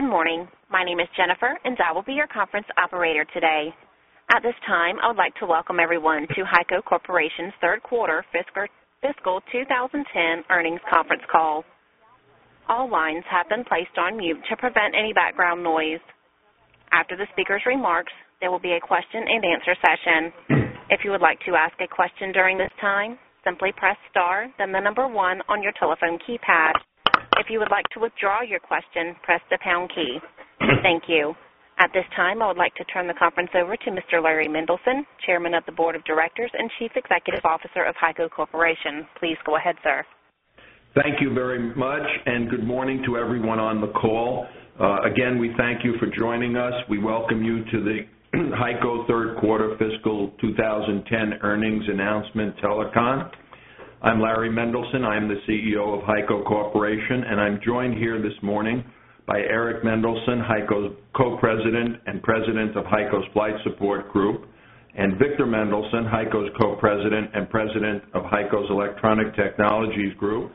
Good morning. My name is Jennifer and I will be your conference operator today. At this time, I would like to welcome everyone to HEICO Corporation's 3rd Quarter Fiscal 20 10 Earnings Conference Call. All lines have been placed on mute to prevent any background noise. After the speakers' remarks, there will be a question and answer session. Thank you. At this time, I would like to turn the conference over to Mr. Larry Mendelson, Chairman of the Board of Directors and Chief Executive Officer of HEICO Corporation. Please go ahead, sir. Thank you very much, and good morning to everyone on the call. Again, we thank you for joining us. We welcome you to the HEICO 3rd quarter fiscal 2010 earnings announcement telecom. I'm Larry Mendelson. I'm the CEO of HEICO Corporation, and I'm joined here this morning by Eric Mendelson, HEICO's Co President and President of HEICO's Flight Support Group and Victor Mendelson, HEICO's Co President and President of HEICO's Electronic Technologies Group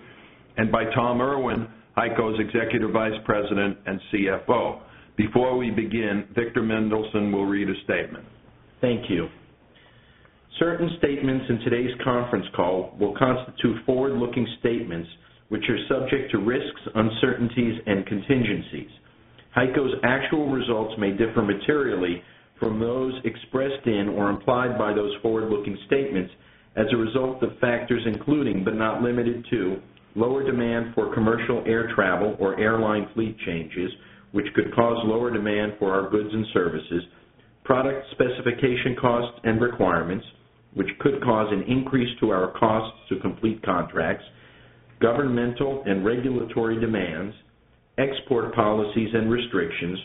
and by Tom Irwin, HEICO's Executive Vice President and CFO. Before we begin, Victor Mendelson will read a statement. Thank you. Certain statements in today's conference call will constitute forward looking statements, which are subject to risks, uncertainties and contingencies. HEICO's actual results may differ materially from those expressed in or implied by those forward looking statements as a result of factors including, but not limited to, lower demand for commercial air travel or airline fleet changes, which could cause lower demand for our goods and services product specification costs and requirements, which could cause an increase to our costs to complete contracts governmental and regulatory demands export policies and restrictions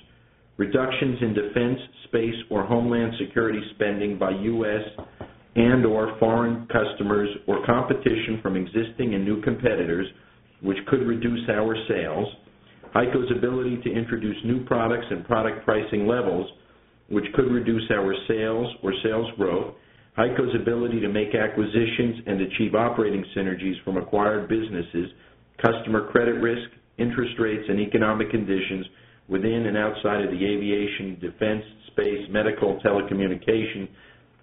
reductions in defense, space or homeland security spending by U. S. And or foreign customers or competition from existing and new competitors, which could reduce our sales HEICO's ability to introduce new products and product pricing levels, which could reduce our sales or sales growth HEICO's ability to make acquisitions and achieve operating synergies from acquired businesses, customer credit risk, interest rates and economic conditions within and outside of the aviation, defense, space, medical, telecommunication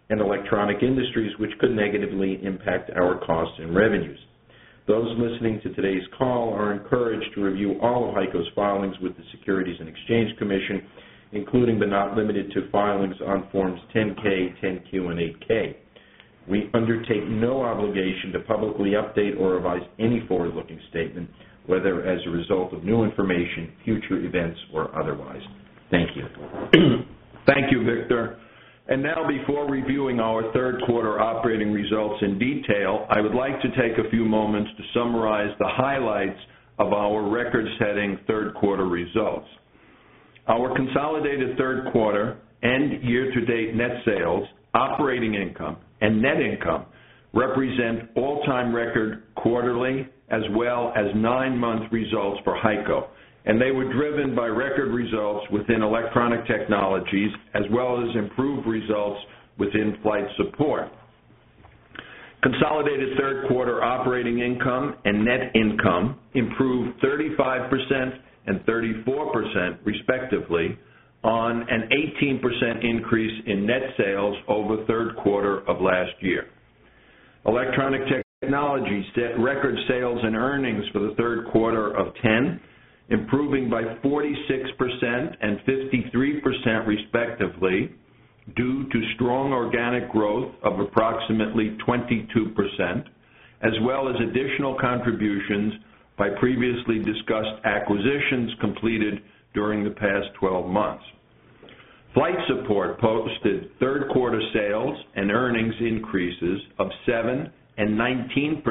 and electronic industries, which could negatively impact our costs and revenues. Those listening to today's call are encouraged to review all of HEICO's filings with the Securities and Exchange Commission, including but not limited to filings on Forms 10 ks, 10 Q and 8 ks. We undertake no obligation to publicly update or revise any forward looking statement, whether as a result of new information, future events or otherwise. Thank you. Thank you, Victor. And now before reviewing our 3rd quarter operating results in detail, I would like to take a few moments to summarize the highlights of our record setting 3rd quarter results. Our consolidated 3rd quarter and year to date net sales, operating income and net income represent all time record quarterly as well as 9 month results for HEICO and they were driven by record results within Electronic Technologies as well as improved results within Flight Support. Consolidated 3rd quarter operating income and net income improved 35% and 34%, respectively, on an 18% increase in net sales over Q3 of last year. Electronic Technologies set record sales and earnings for the Q3 of 10, improving by 46% and 53% respectively due to strong organic growth of approximately 22% as well as additional contributions by previously discussed acquisitions completed during the past 12 months. Flight Support posted 3rd quarter sales and earnings increases of 7% 19%,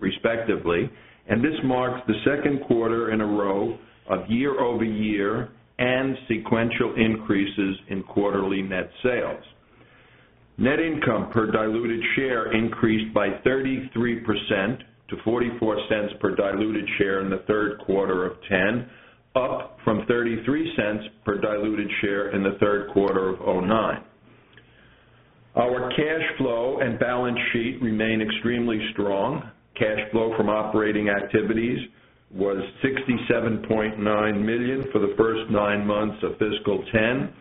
respectively, and this marks the 2nd quarter in a row of year over year and sequential increases in quarterly net sales. Net income per diluted share increased by 33 percent to $0.44 per diluted share in the Q3 of 20 10, up from $0.33 per diluted share in the Q3 of 20 9. Our cash flow and balance sheet remain extremely strong. Cash flow from operating activities was $67,900,000 for the 1st 9 months of fiscal 20 10,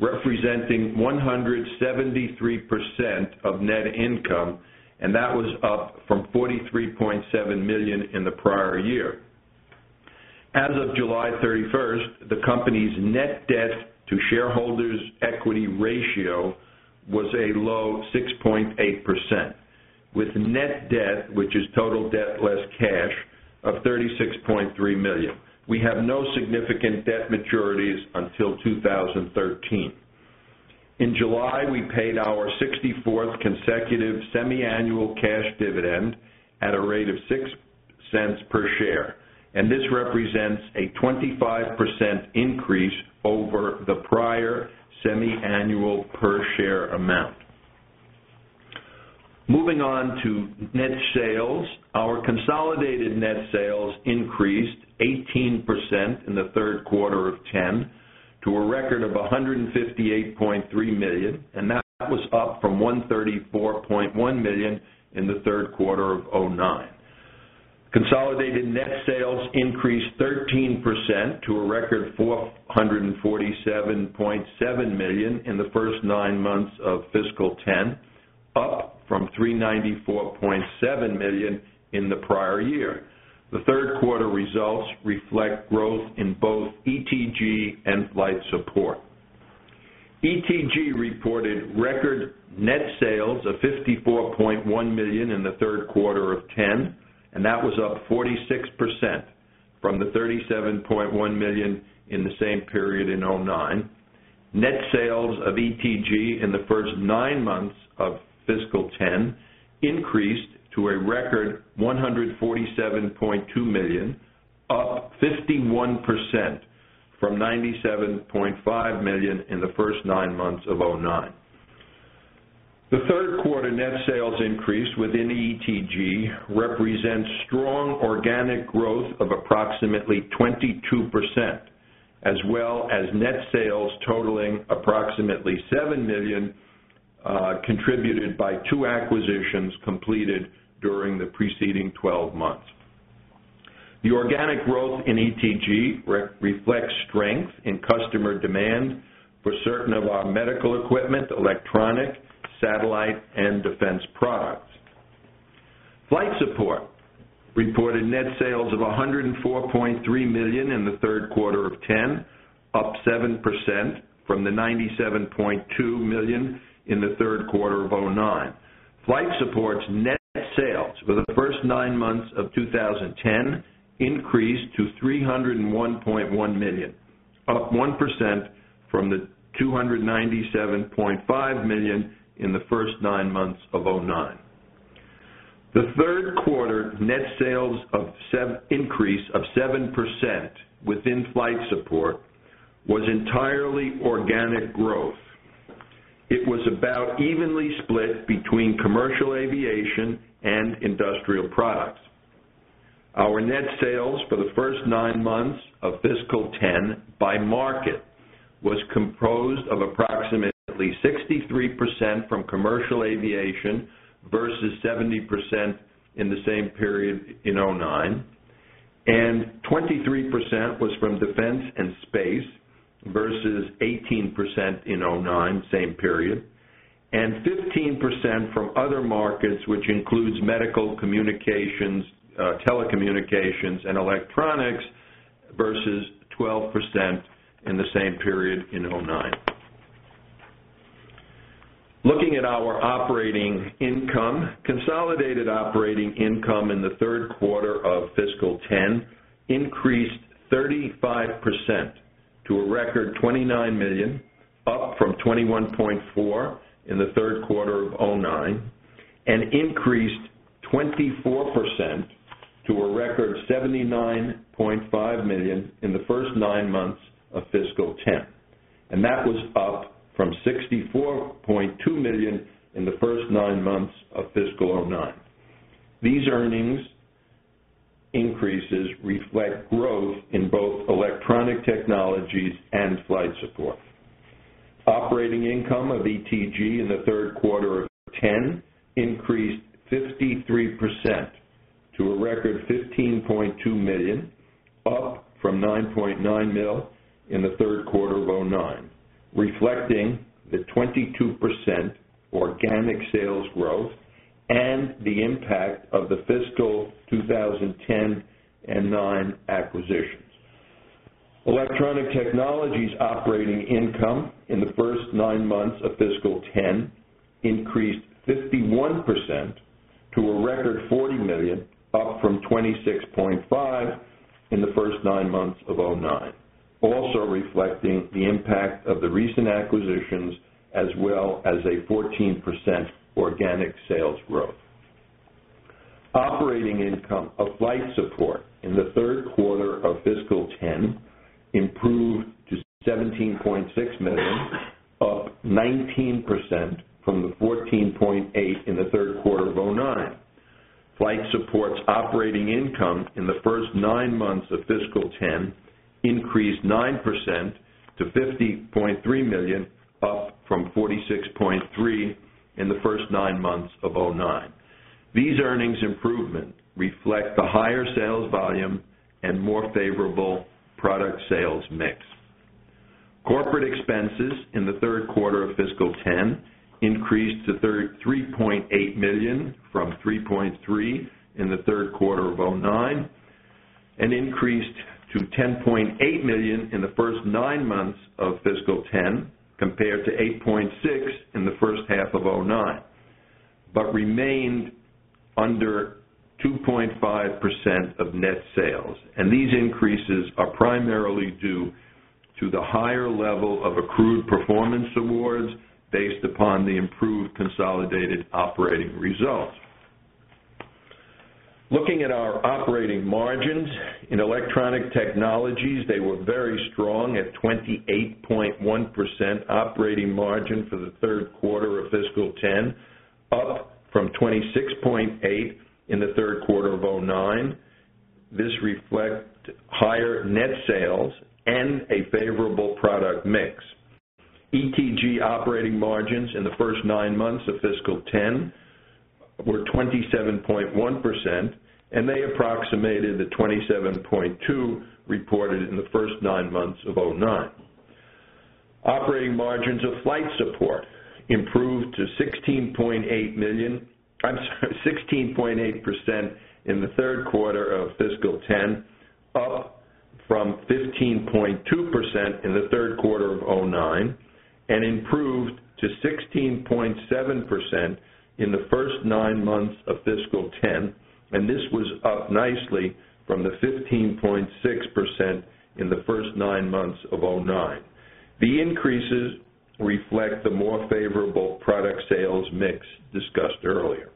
representing 173 percent of net income and that was up from $43,700,000 in the prior year. As of July 31, the company's net debt to shareholders' equity ratio was a low 6.8 percent with net debt, which is total debt less cash of $36,300,000 We have no significant debt maturities until 2013. In July, we paid our 64th consecutive semiannual cash dividend at a rate of $0.06 per share, and this represents a 25% increase over the prior semiannual per share amount. Moving on to net sales. Our consolidated net sales increased 18% in the Q3 of 'ten to a record of $158,300,000 and that was up from $134,100,000 in the Q3 of 2009. Consolidated net sales increased 13% to a record $447,700,000 in the 1st 9 months of fiscal 20 10, up from $394,700,000 in the prior year. The 3rd quarter results reflect growth in both ETG and Flight Support. ETG reported record net sales of $54,100,000 in the Q3 of 'ten and that was up 46% from the $37,100,000 in the same period in 2009. Net sales of ETG in the 1st 9 months of fiscal 20 10 increased to a record 147,200,000 dollars up 51% from $97,500,000 in the 1st 9 months of 2009. The 3rd quarter net sales increase within ETG represents strong organic growth of approximately 22 percent as well as net sales totaling approximately $7,000,000 contributed by 2 acquisitions completed during the preceding 12 months. The organic growth in ETG reflects strength in customer demand for certain of our medical equipment, electronic, satellite and defense products. Flight Support reported net sales of $104,300,000 in the Q3 of 20 10, up 7% from the $97,200,000 in the Q3 of 2009. Flight Support's net sales for the 1st 9 months of 2010 increased to $301,100,000 up 1% from the $297,500,000 in the 1st 9 months of 2009. The 3rd quarter net sales of increase of 7% with in flight support was entirely organic growth. It was about evenly split between Commercial Aviation and Industrial Products. Our net sales for the 1st 9 months of fiscal 20 10 by market was composed of approximately 63% from commercial aviation versus 70% in the same period in 2009 and 23% was from defense and space versus 18% in 2009, same period and 15% from other markets, which includes medical communications, telecommunications and electronics versus 12% in the same period in 2009. Looking at our operating income. Consolidated operating income in the Q3 of fiscal 20 10 increased 35% to a record 29,000,000 dollars up from 21.4% in the Q3 of 2009 and increased 24% to a record $79,500,000 in the 1st 9 months of fiscal 20 10. And that was up from $64,200,000 in the 1st 9 months of fiscal 'nine. These earnings increases reflect growth in both Electronic Technologies and Flight Support. Operating income of ETG in the Q3 of 2010 increased 53% to a record $15,200,000 up from $9,900,000 in the Q3 of 2009, reflecting the 22% organic sales growth and the impact of the fiscal 20 10 and 9 acquisitions. Electronic Technologies operating income in the 1st 9 months of fiscal 20 10 increased 51% to a record $40,000,000 up from 26.5 percent in the 1st 9 months of 2009, also reflecting the impact of the recent acquisitions as well as a 14% organic sales growth. Operating income of Flight Support in the Q3 of fiscal 20 10 improved to $17,600,000 up 19% from the $14,800,000 in the Q3 of 2009. Flight Support's operating income in the 1st 9 months of fiscal 2010 increased 9% to 50,300,000 dollars up from 46.3 percent in the 1st 9 months of 2009. These earnings improvement reflect the higher sales volume and more favorable product sales mix. Corporate expenses in the Q3 of fiscal 20 10 increased to $3,800,000 from $3,300,000 in the Q3 of 20 9 and increased to $10,800,000 in the 1st 9 months of fiscal 'ten compared to $8,600,000 in the first half of 'nine, but remained under 2.5% of net sales. And these increases are primarily due to the higher level of accrued performance awards based upon the improved consolidated operating results. Looking at our operating margins, in Electronic Technologies, they were very strong at 28.1 percent operating margin for the Q3 of fiscal 20 10, up from 26.8% in the Q3 of 20 9. This reflects higher net sales and a favorable product mix. ETG operating margins in the 1st 9 months of fiscal 20 10 were 27.1 percent and they approximated the 27.2 percent reported in the 1st 9 months of 2009. Operating margins of Flight Support improved to 16.8000000 dollars I'm sorry, 16.8 percent in the Q3 of fiscal 'ten, up from 15 point 2% in the Q3 of 2009 and improved to 16.7% in the 1st 9 months of fiscal 20 10, and this was up nicely from the 15.6% in the 1st 9 months of 2009. The increases reflect the more favorable product sales mix discussed earlier.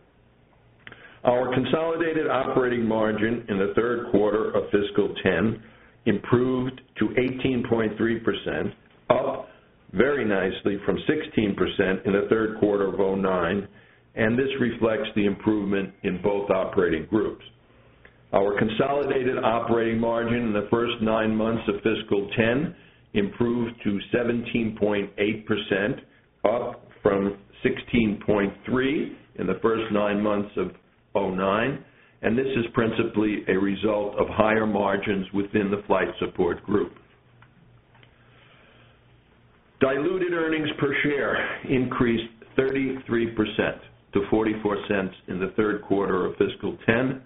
Our consolidated operating margin in the Q3 of fiscal 20 10 improved to 18.3%, up very nicely from 16% in the Q3 of 2009 and this reflects the improvement in both operating groups. Our consolidated operating margin in the 1st 9 months of fiscal 20 10 improved to 17.8%, up from 16.3% in the 1st 9 months of 2009 and this is principally a result of higher margins within the Flight Support Group. Diluted earnings per share increased 33% to $0.44 in the Q3 of fiscal 20 10,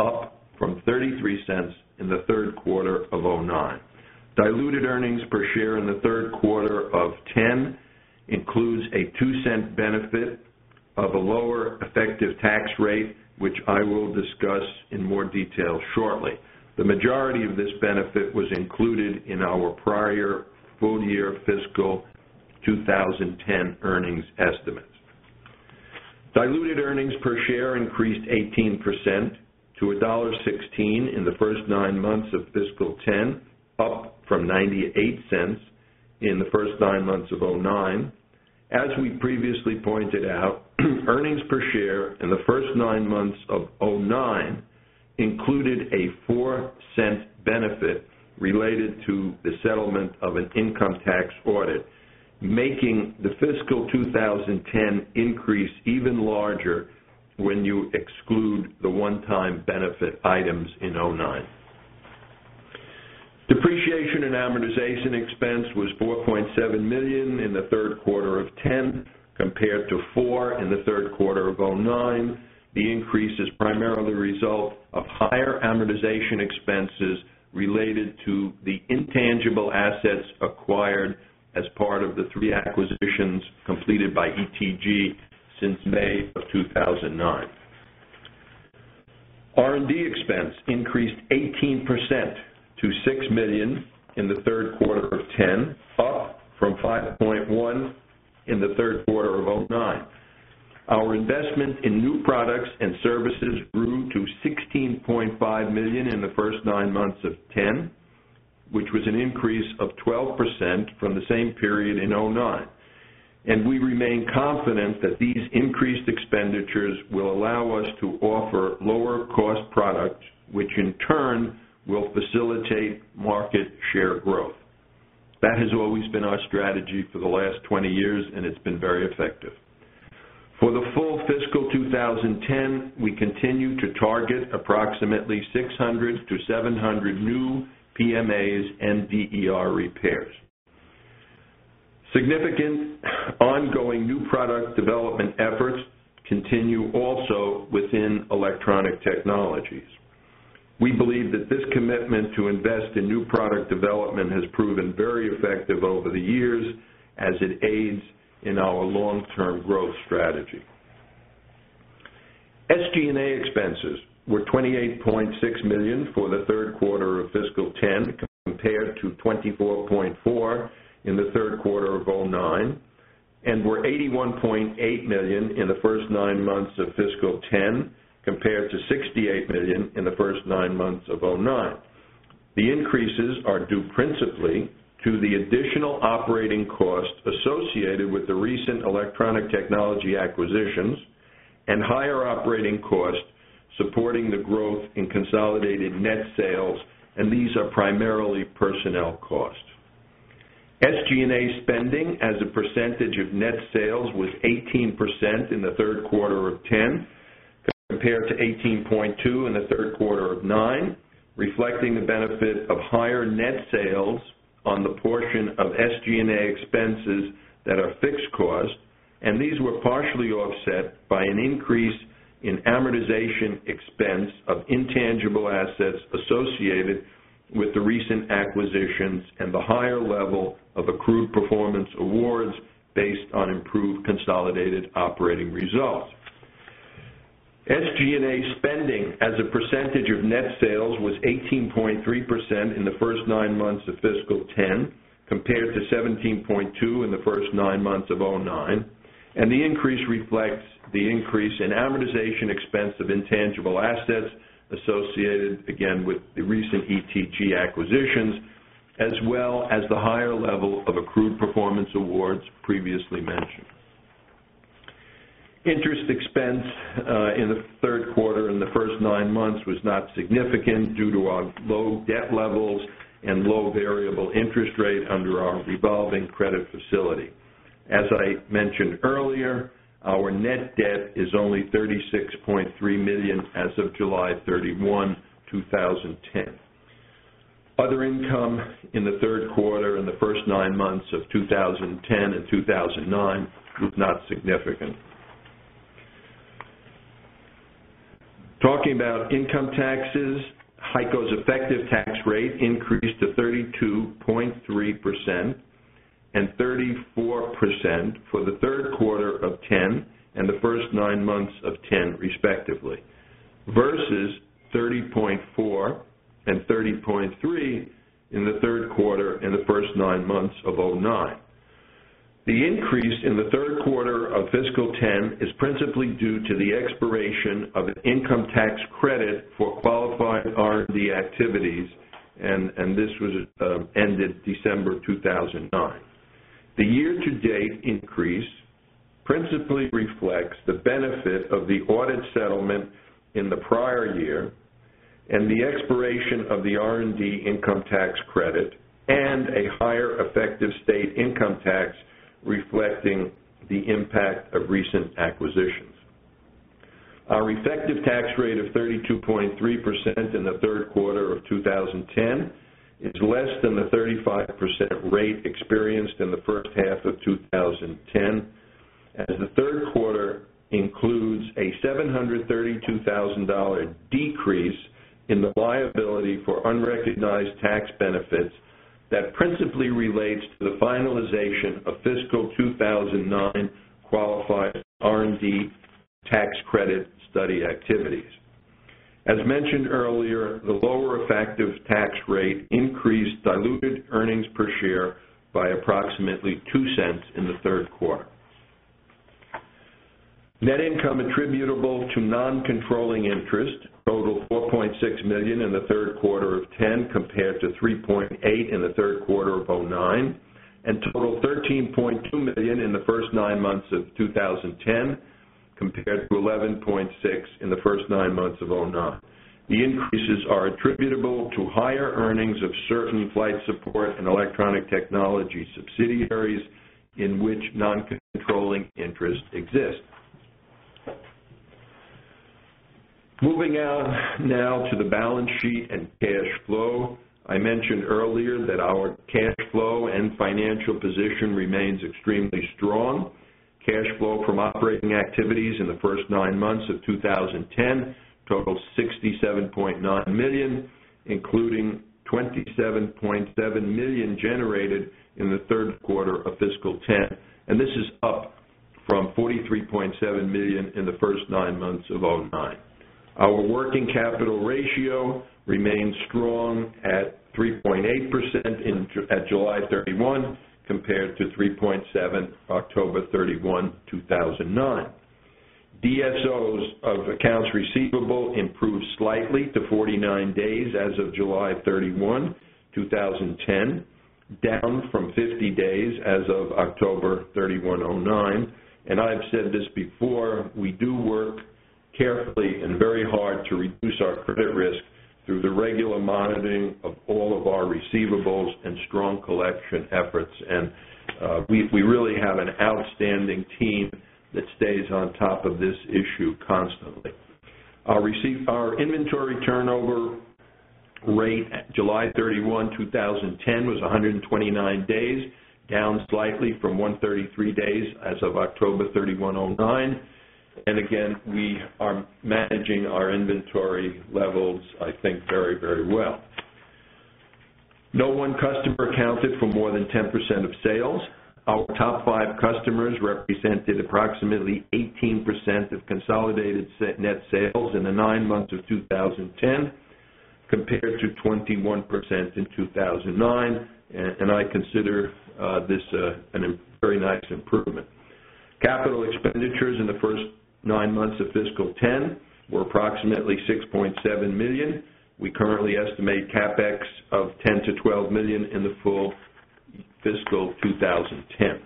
up from $0.33 in the Q3 of 20 2,009. Diluted earnings per share in the Q3 of 20.10 dollars includes a $0.02 benefit of a lower effective tax rate, which I will discuss in more detail shortly. The majority of this benefit was included in our prior year full year fiscal 20 10 earnings estimates. Diluted earnings per share increased 18% to $1.16 in the 1st 9 months of fiscal 20 10, up from $0.98 in the 1st 9 months of 20 9. As we previously pointed out, earnings per share in the 1st 9 months of 2009 included a $0.04 benefit related to the settlement of an income tax audit, making the fiscal 2010 increase even larger when you exclude the one time benefit items in $4,700,000 in the Q3 of 20 10 compared to $4,000,000 in the Q3 of 20 10 compared to $4,000,000 in the Q3 of 20 9. The increase is primarily the result of higher amortization expenses related to the intangible assets acquired as part of the 3 acquisitions completed by ETG since May of 2009. R and D expense increased 18% to $6,000,000 in the Q3 of 'ten, up from 5.1 in the Q3 of 20 9. Our investment in new products and services grew to $16,500,000 in the 1st 9 months of 20 10, which was an increase of 12% from the same period in 2009. And we remain confident that these increased expenditures will allow us offer lower cost products, which in turn will facilitate market share growth. That has always been our strategy for the last 20 years and it's been very effective. For the full fiscal 2010, we continue to target approximately 600 to 700 new PMAs and DER repairs. Significant ongoing new product development efforts continue also within Electronic Technologies. We believe that this commitment to invest in new product development has proven very effective over the years as it aids in our long term growth strategy. SG and A expenses were $28,600,000 for the Q3 of fiscal '10 compared to $24,400,000 in the Q3 of 'nine and were $81,800,000 in the 1st 9 months of fiscal 20 10 compared to $68,000,000 in the 1st 9 months of 20 9. The increases are due principally to the additional operating costs associated with the recent electronic technology acquisitions and higher operating costs supporting the growth in consolidated net sales and these are primarily personnel costs. SG and A spending as a percentage of net sales was 18% in the Q3 of 'ten compared to 18.2% in the third quarter of 20 9, reflecting the benefit of higher net sales on the portion of SG and A expenses that are fixed cost and these were partially offset by an increase in amortization expense of intangible assets associated with the recent acquisitions and the higher level of accrued performance awards based on improved consolidated operating results. SG and A spending as a percentage of net sales was 18.3% in the 1st 9 months of fiscal 20 10 compared to 17.2% in the 1st 9 months of 20 9 and the increase reflects the increase in amortization expense of intangible assets associated again with the recent ETG acquisitions as well as the higher level of accrued performance awards previously mentioned. Interest expense in the Q3 and the 1st 9 months was not significant due to our low debt levels and low variable interest rate under our revolving credit facility. As I mentioned earlier, our net debt is only $36,300,000 as of July 31, 2010. Other income in the Q3 and the 1st 9 months of 2010 and 2009 was not significant. Talking about income taxes, HEICO's effective tax rate increased to 32.3% and 34% for the Q3 of 20 10 and the 1st 9 months of 20 10, respectively, versus 30.430.3 in the Q3 and the 1st 9 months of 2009. The increase in the Q3 of fiscal 2010 is principally due to the expiration of income tax credit for qualified R and D activities and this was ended December 2009. The year to date increase principally reflects the benefit of the audit settlement in the prior year and the expiration of the R and D income tax credit and a higher effective state income tax reflecting the impact of recent acquisitions. Our effective tax rate of 32.3 percent in the Q3 of 2010 is less than the 35% rate experienced in the first half of twenty ten as the Q3 includes a $732,000 decrease in the liability for unrecognized tax benefits that principally relates to the finalization of fiscal 2,009 qualified R and D tax credit study activities. As mentioned earlier, the lower effective tax rate increased diluted earnings per share by approximately $0.02 in the 3rd quarter. Net income attributable to non controlling interest totaled $4,600,000 in the Q3 of 'ten compared to $3,800,000 in the Q3 of 'nine and totaled $13,200,000 in the 1st 9 months of 2010 compared to $11,600,000 in the 1st 9 months of 2009. The increases are attributable to higher earnings of certain flight Support and Electronic Technology subsidiaries in which non controlling interest exist. Moving on now to the balance sheet and cash flow. I mentioned earlier that our cash flow and financial position remains extremely strong. Cash flow from operating activities in the 1st 9 months of 2010 totaled $67,900,000 including $27,700,000 generated in the Q3 of fiscal 20 10. And this is up from $43,700,000 in the 1st 9 months of 'nine. Our working capital ratio remained strong at 3.8% at July 31 compared to 3.7 October 31, 2009. DSOs of accounts receivable improved slightly to 49 days as of July 31, 2010, down from 50 days as of October 3, 1,009. And I have said this before, we do work carefully and very hard to reduce our credit risk through the regular monitoring of all of our receivables and strong collection efforts. And we really have an outstanding team that stays on top of this issue constantly. Our inventory turnover rate at July 31, 2010 was 129 days, down slightly from 133 days as of October 31, 2009. And again, we are managing our inventory levels, I think, very, very well. No one customer accounted for more than 10% of sales. Our top 5 customers represented approximately 18% of consolidated net sales in the 9 months of 2010 compared to 21% in 2,009 and I consider this a very nice improvement. Capital expenditures in the 1st 9 months of fiscal 'ten were approximately 6,700,000 dollars We currently estimate CapEx of $10,000,000 to $12,000,000 in the full fiscal 2010.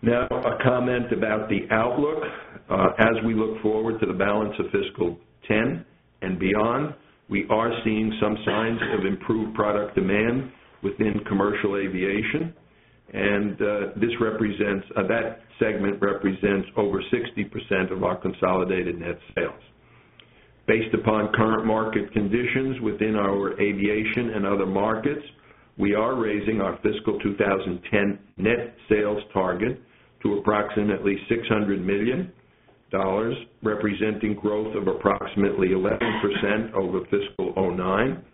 Now a comment about the outlook. As we look forward to the balance of fiscal 'ten and beyond, we are seeing some signs of improved product demand within commercial aviation and this represents that segment represents over 60% of our consolidated net sales. Based upon current market conditions within our aviation and other markets, we are raising our fiscal 20 10 net sales target to approximately 600,000,000 dollars representing growth of approximately 11% over fiscal 2009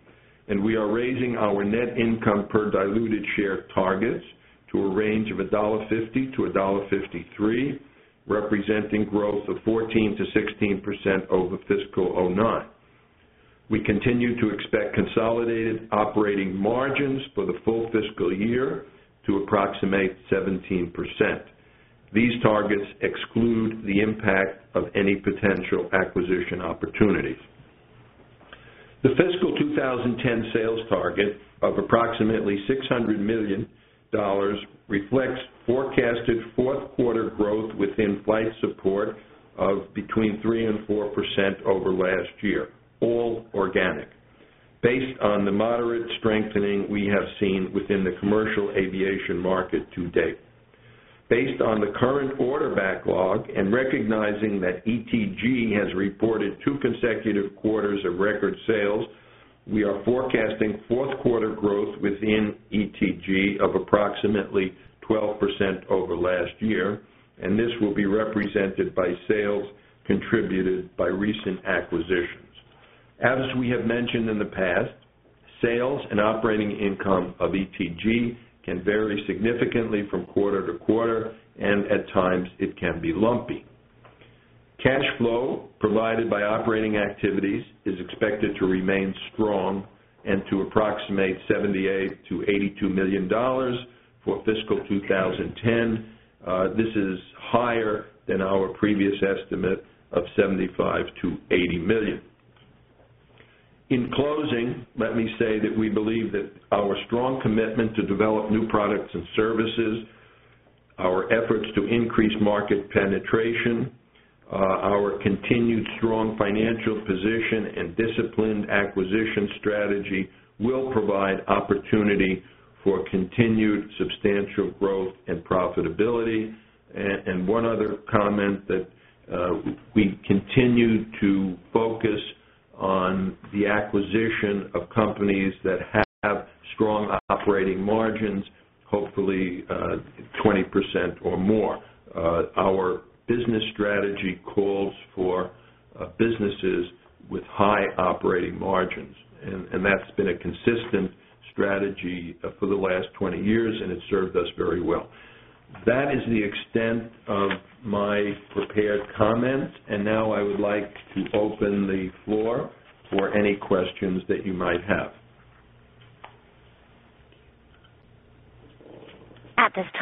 and we are raising our net income per diluted share targets to a range of $1.50 to $1.53 representing growth of 14% to 16% over fiscal 2009. We continue to expect consolidated operating margins for the full fiscal year to approximate 17%. These targets exclude the impact of any potential acquisition opportunities. The fiscal 2010 sales target of approximately $600,000,000 reflects forecasted 4th quarter growth within Flight Support of between 3% 4% over last year, all organic. Based on the moderate strengthening we have seen within the commercial aviation market to date. Based on the current order backlog and recognizing that ETG has reported 2 consecutive quarters of record sales, we are forecasting 4th quarter growth within ETG of approximately 12% over last year and this will be represented by sales contributed by recent acquisitions. As we have mentioned in the past, sales and operating income of ETG can vary significantly from quarter to quarter and at times it can be lumpy. Cash flow provided by operating activities is expected to remain strong and to approximate $78,000,000 to $82,000,000 for fiscal 2010. This is higher than our previous estimate of $75,000,000 to $80,000,000 In closing, let me say that we believe that our strong commitment to develop new products and services, our efforts to increase market penetration, our continued strong financial position and disciplined acquisition strategy will provide opportunity for continued substantial growth and profitability. And one other comment that we continue to focus on the acquisition of companies that have strong operating margins, hopefully 20% or more. Our business strategy calls for businesses with high operating margins And that's been a consistent strategy for the last 20 years and it served us very well. That is the extent of my prepared comments. And now I would like to open the floor for any questions that you might have. Your first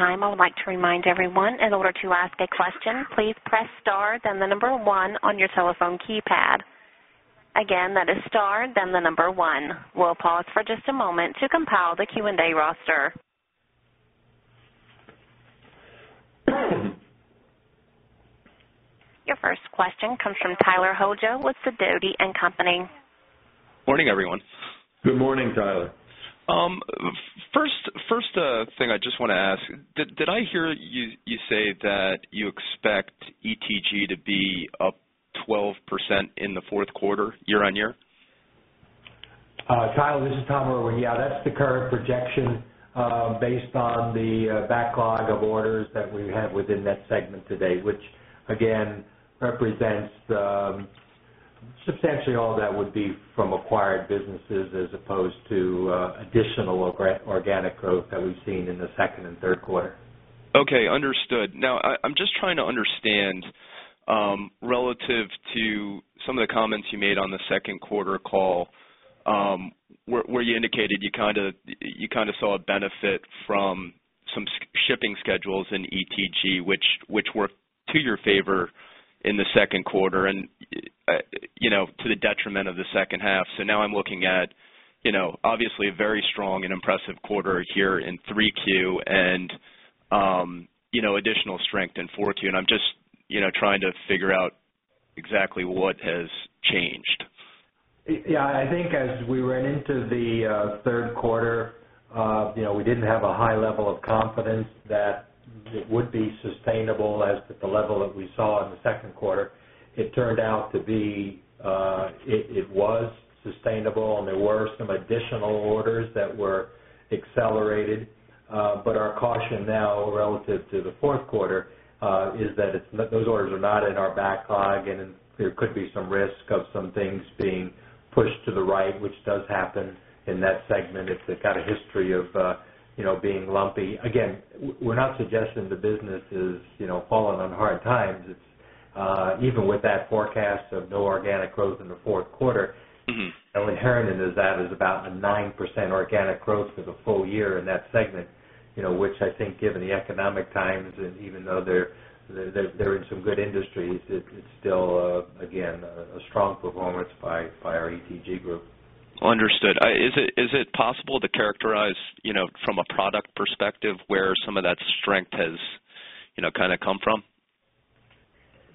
question comes from Tyler Hojo with Sidoti and Company. Good morning, everyone. Good morning, Tyler. First thing I just want to ask, did I hear you say that you expect ETG to be up 12% in the 4th quarter year on year? Kyle, this is Tom Irwin. Yes, that's the current projection based on the backlog of orders that we have within that segment today, which again represents substantially all that would be from acquired businesses as opposed to additional organic growth that we've seen in the second and third quarter. Okay, understood. Now I'm just trying to understand relative to some of the comments you made on the Q2 call, where you indicated you kind of saw a benefit from some shipping schedules in ETG, which were to your favor in the second quarter and to the detriment of the second half. So now I'm looking at obviously a very strong and impressive quarter here in 3Q and additional strength in 4Q. And I'm just trying to figure out exactly what has changed? Yes. I think as we ran into the Q3, we didn't have a high level of confidence that it would be sustainable as to the level that we saw in the second quarter. It turned out to be, it was sustainable and there were some additional orders that were accelerated. But our caution now relative to the Q4 is that those orders are not in our backlog and there could be some risk of some things being pushed to the right, which does happen in that segment. It's got a history of being lumpy. Again, we're not suggesting the business is falling on hard times. It's even with that forecast of no organic growth in the 4th quarter. The only Heron is that is about a 9% organic growth for the full year in that segment, which I think given the economic times and even though they're in some good industries, it's still again a strong performance by our ETG group. Understood. Is it possible to characterize from a product perspective where some of that strength has kind of come from?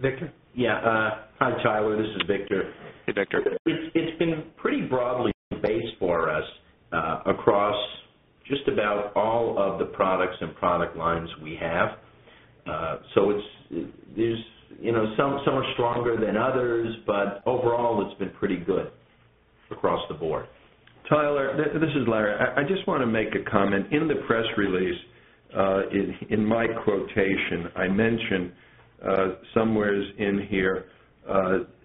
Victor? Yes. Hi, Tyler. This is Victor. Hey, Victor. It's been pretty broadly based for us across just about all of the products and product lines we have. So it's there's somewhat stronger than others, but overall, it's been pretty good across the board. Tyler, this is Larry. I just want to make a comment. In the press release, in my quotation, I mentioned somewhere in here,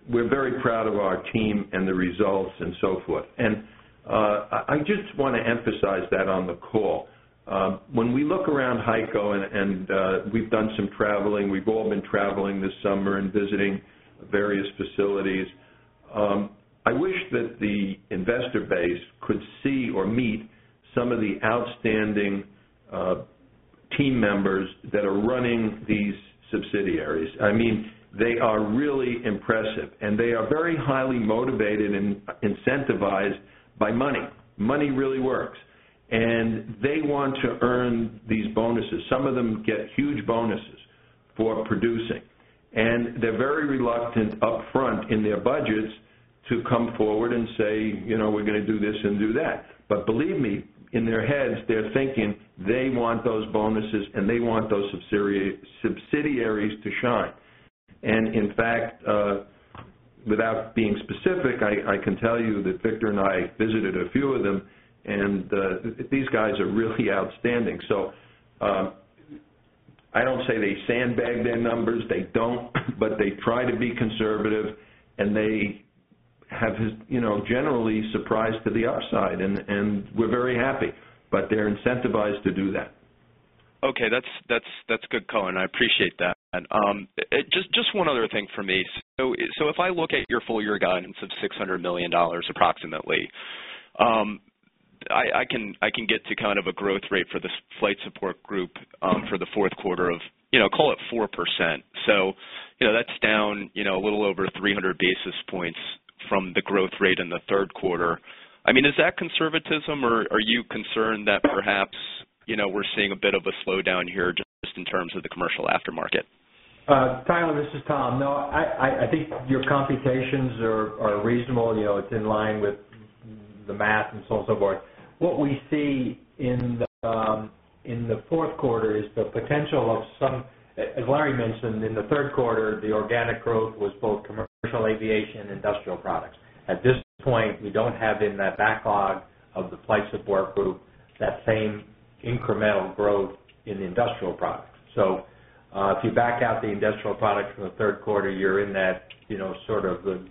we're very proud of our team and the results and so forth. And I just want to emphasize that on the call. When we look around HEICO and we've done some traveling, we've all been traveling this summer and visiting various facilities. I wish that the investor base could see or meet some of the outstanding team members that are running these subsidiaries. I mean, they are really impressive and they are very highly motivated and incentivized by money. Money really works. And they want to earn these bonuses. Some of them get huge bonuses for producing. And they're very reluctant upfront in their budgets to come forward and say, we're going to do this and do that. But believe me, in their heads, they're thinking they want those bonuses and they want those subsidiaries to shine. And in fact, without being specific, I can tell you that Victor and I visited a few of them and these guys are really outstanding. So I don't say they sandbag their numbers, they don't, but they try to be conservative and they have generally surprised to the upside and we're very happy, but they're incentivized to do that. Okay. That's good color and I appreciate that. Just one other thing for me. So if I look at your full year guidance of $600,000,000 approximately, I can get to kind of a growth rate for the Flight Support Group for the Q4 of, call it 4%. So that's down a little over 300 basis points from the growth rate in the 3rd quarter. I mean, is that conservatism? Or are you concerned that perhaps we're seeing a bit of a slowdown here just in terms of the commercial aftermarket? Tyler, this is Tom. No, I think your computations are reasonable. It's in line with the math and so on and so forth. What we see in the Q4 is the potential of some as Larry mentioned in the Q3, the organic growth was both commercial aviation and industrial products. At this point, we don't have in that backlog of the Flight Support Group that same incremental growth in the industrial products. So if you back out the industrial products in the Q3, you're in that sort of 2%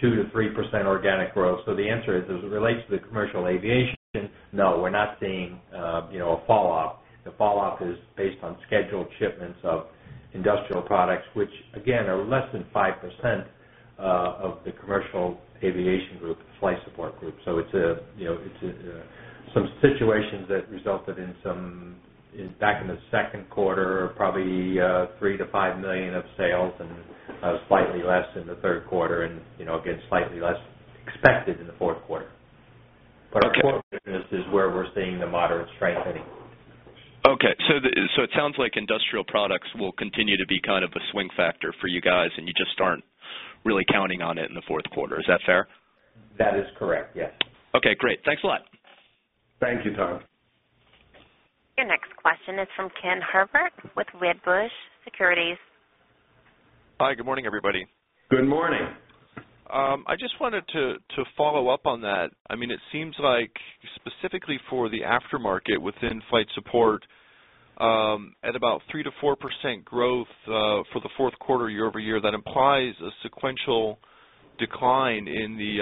to 3% organic growth. So the answer is as it relates to the commercial aviation, no, we're not seeing a fall off. The fall off is based on scheduled shipments of industrial products, which again are less than 5% of the commercial aviation group, flight support group. So it's some situations that resulted in some back in the second quarter, probably $3,000,000 to $5,000,000 of sales and slightly less in the 3rd quarter and again slightly less expected in the 4th quarter. But our core business is where we're seeing the moderate strengthening. Okay. So it sounds like industrial products will continue to be kind of a swing factor for you guys and you just aren't really counting on it in the Q4. Is that fair? That is correct. Yes. Okay, great. Thanks a lot. Thank you, Tom. Your next question is from Ken Herbert with Wedbush Securities. Hi, good morning, everybody. Good morning. I just wanted to follow-up on that. I mean it seems like specifically for the aftermarket within Flight Support at about 3% to 4% growth for the Q4 year over year that implies a sequential decline in the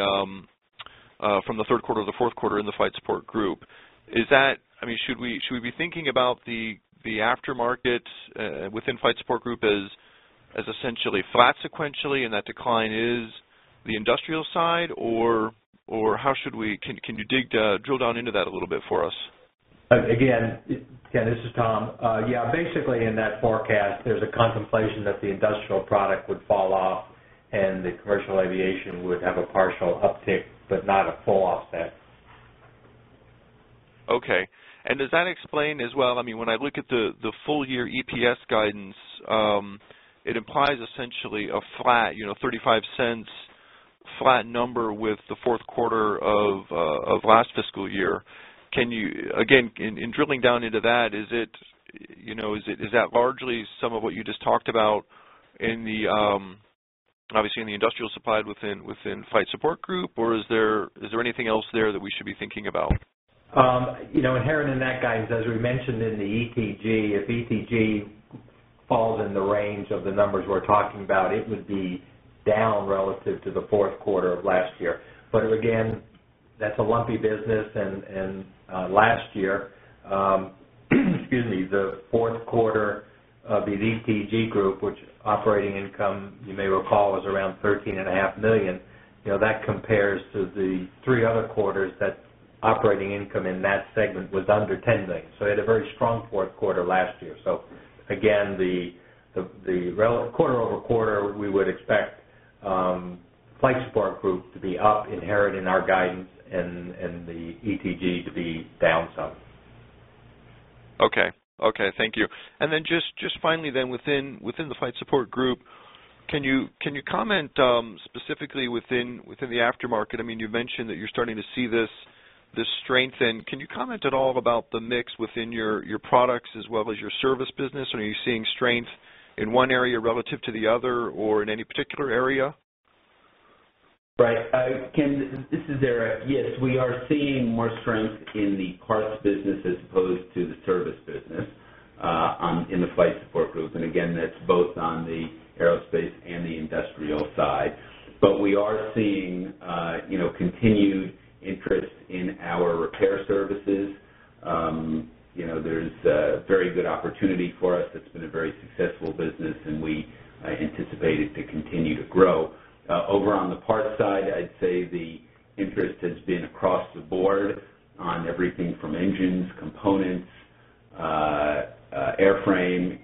from the Q3 to Q4 in the Flight Support Group. Is that I mean, should we be thinking about the aftermarket within Flight Support Group as essentially flat sequentially and that decline is the industrial side or how should we can you dig drill down into that a little bit for us? Again Ken, this is Tom. Yes, basically in that forecast, there's a contemplation that the industrial product would fall off and the commercial aviation would have a product would fall off and the commercial aviation would have a partial uptick, but not a full offset. Okay. And does that explain as well, I mean, when I look at the full year EPS guidance, it implies essentially a flat, dollars 0.35 flat number with the Q4 of last fiscal year. Can you again, in drilling down into that, is that largely some of what you just talked about in the obviously in the industrial supply within Flight Support Group? Or is there anything else there that we should be thinking about? Inherent in that guidance, as we mentioned in the ETG, if ETG falls in the range of the numbers we're talking about, it would be down relative to the Q4 of last year. But again, that's a lumpy business. And last year, excuse me, the Q4 of the DTG Group, which operating income you may recall was around $13,500,000 that compares to the 3 other quarters that operating income in that segment was under $10,000,000 So we had a very strong Q4 last year. So again, the relative quarter over quarter, we would expect Flight Support Group to be up inherent in our guidance and the ETG to be down some. Okay. Okay. Thank you. And then just finally then within the Flight Support Group, can you comment specifically within the aftermarket? I mean, you mentioned that you're starting to see this strengthen. Can you comment at all about the mix within your products as well as your service business? Are you seeing strength in one area relative to the other or in any particular area? Right. Ken, this is Eric. Yes, we are seeing more strength in the parts business as opposed to the service business in the Flight Support Group. And again, that's both on the Aerospace and the Industrial side. But we are seeing continued interest in our repair services. There's a very good opportunity for us. It's been a very successful business and we anticipate it to continue to grow. Over on the parts side, I'd say the interest has been across the board on everything from engines, components, airframe,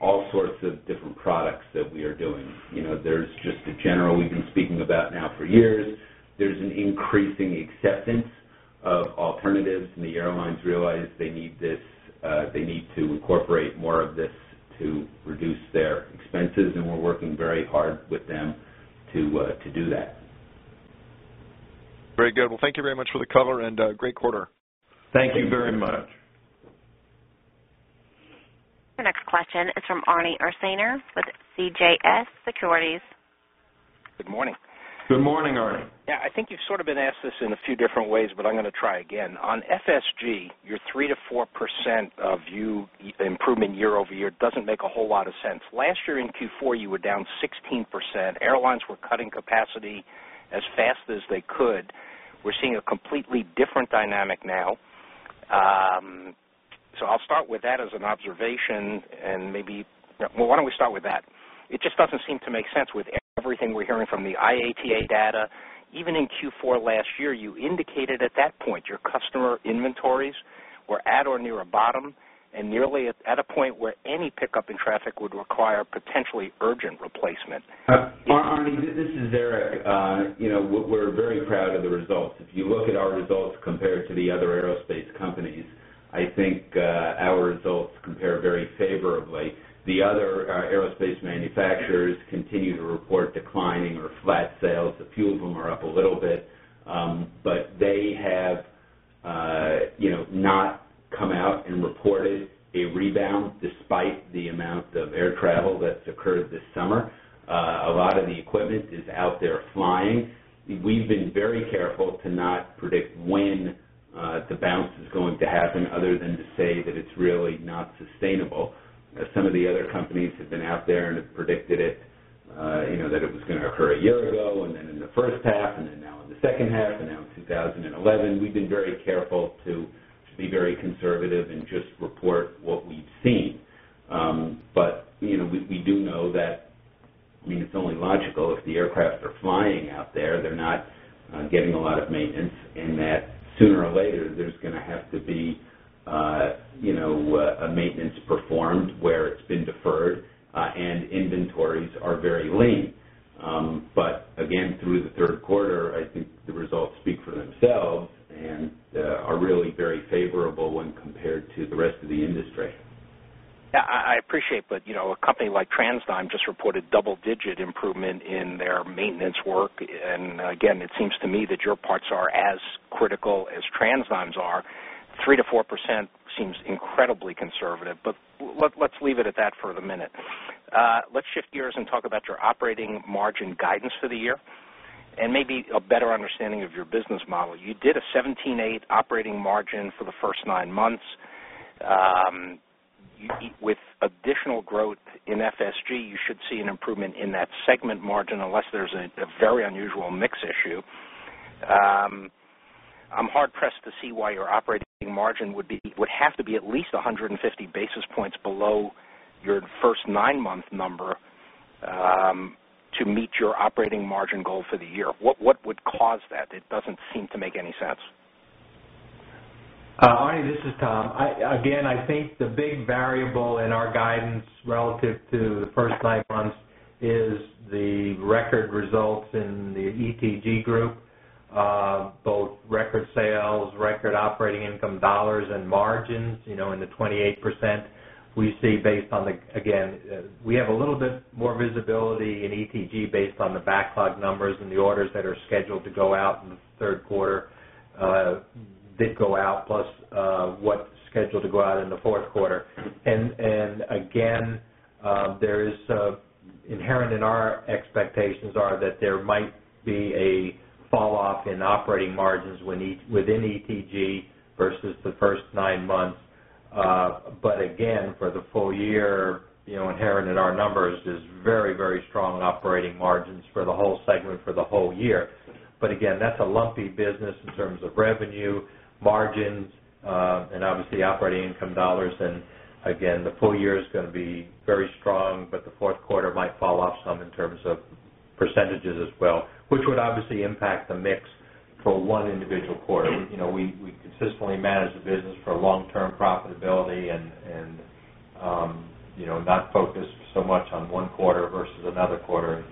all sorts of different products that we are doing. There's just a general we've been speaking about now for years. There's an increasing acceptance of alternatives and the airlines realize they need this they need to incorporate more of this to reduce their expenses and we're working very hard with them to do that. Good. Well, thank you very much for the color and great quarter. Thank you very much. The next question is from Arne Ursaner with CJS Securities. Good morning. Good morning, Arne. Yes, I think you've sort of been asked this in a few different ways, but I'm going to try again. On FSG, your 3% to 4% view improvement year over year doesn't make a whole lot of sense. Last year in Q4, you were down 16%, airlines were cutting capacity as fast as they could. We're seeing a completely different dynamic now. So I'll start with that as an observation and maybe why don't we start with that? It just doesn't seem to make sense with everything we're hearing from the IATA data. Even in Q4 last year, you indicated at that point, your customer inventories were at or near a bottom and nearly at a point where any pickup in traffic would require potentially urgent replacement? Arne, this is Eric. We're very proud of the results. If you look at our results compared to the other aerospace companies, I think our results compare very favorably. The other aerospace manufacturers continue to report declining or flat sales. A few of them are up a little bit. But they have not come out and reported a rebound despite the amount of air travel that's occurred this summer. A lot of the equipment is out there flying. We've been very careful to not predict when the bounce is going to happen other than to say that it's really not sustainable. Some of the other companies have been out there and have predicted it that it was going to occur a year ago and then in the first half and then now the second half and now in 2011, we've been very careful to be very conservative and just report what we've seen. But we do know that I mean, it's only logical if the aircraft are flying out there, they're not getting a lot of maintenance and that sooner or later there's going to have to be a maintenance performed where it's been deferred and inventories are very lean. But again, through the Q3, I think the results speak for themselves and are really very favorable when compared to the rest of the industry. Yes, I appreciate. But a company like TransDigm just reported double digit improvement in their maintenance work. And again, it seems to me that your parts are as critical as TransDigm's are. 3% to 4% seems incredibly conservative. But let's leave it at that for the minute. Let's shift gears and talk about your operating margin guidance for the year and maybe a better understanding of your business model. You did a 17.8% operating margin for the 1st 9 months. With additional growth in FSG, you should see an improvement in that segment margin unless there's a very unusual mix issue. I'm hard pressed to see why your operating margin would be would have to be at least 150 basis points below your 1st 9 month number to meet your operating margin goal for the year? What would cause that? It doesn't seem to make any sense. Arne, this is Tom. Again, I think the big variable in our guidance relative to the 1st 9 months is the record results in the ETG Group, both record sales, record operating income dollars and margins in the 28%. We see based on the again, we have a little bit more visibility in ETG based on the backlog numbers and the orders that are scheduled to go out in Q3 did go out plus what scheduled to go out in the Q4. And again, there is inherent in our expectations are that there might be a fall off in operating margins within ETG versus the 1st 9 months. But again, for the full year, inherent in our numbers is very, very strong operating margins for the whole segment for the whole year. But again, that's a lumpy business in terms of revenue, margins and obviously operating income dollars. And again, the full year is going to be very strong, but the Q4 might fall off some in terms of percentages as well, which would obviously impact the mix for 1 individual quarter. We consistently manage the business for long term profitability and not focus so much on 1 quarter versus another quarter.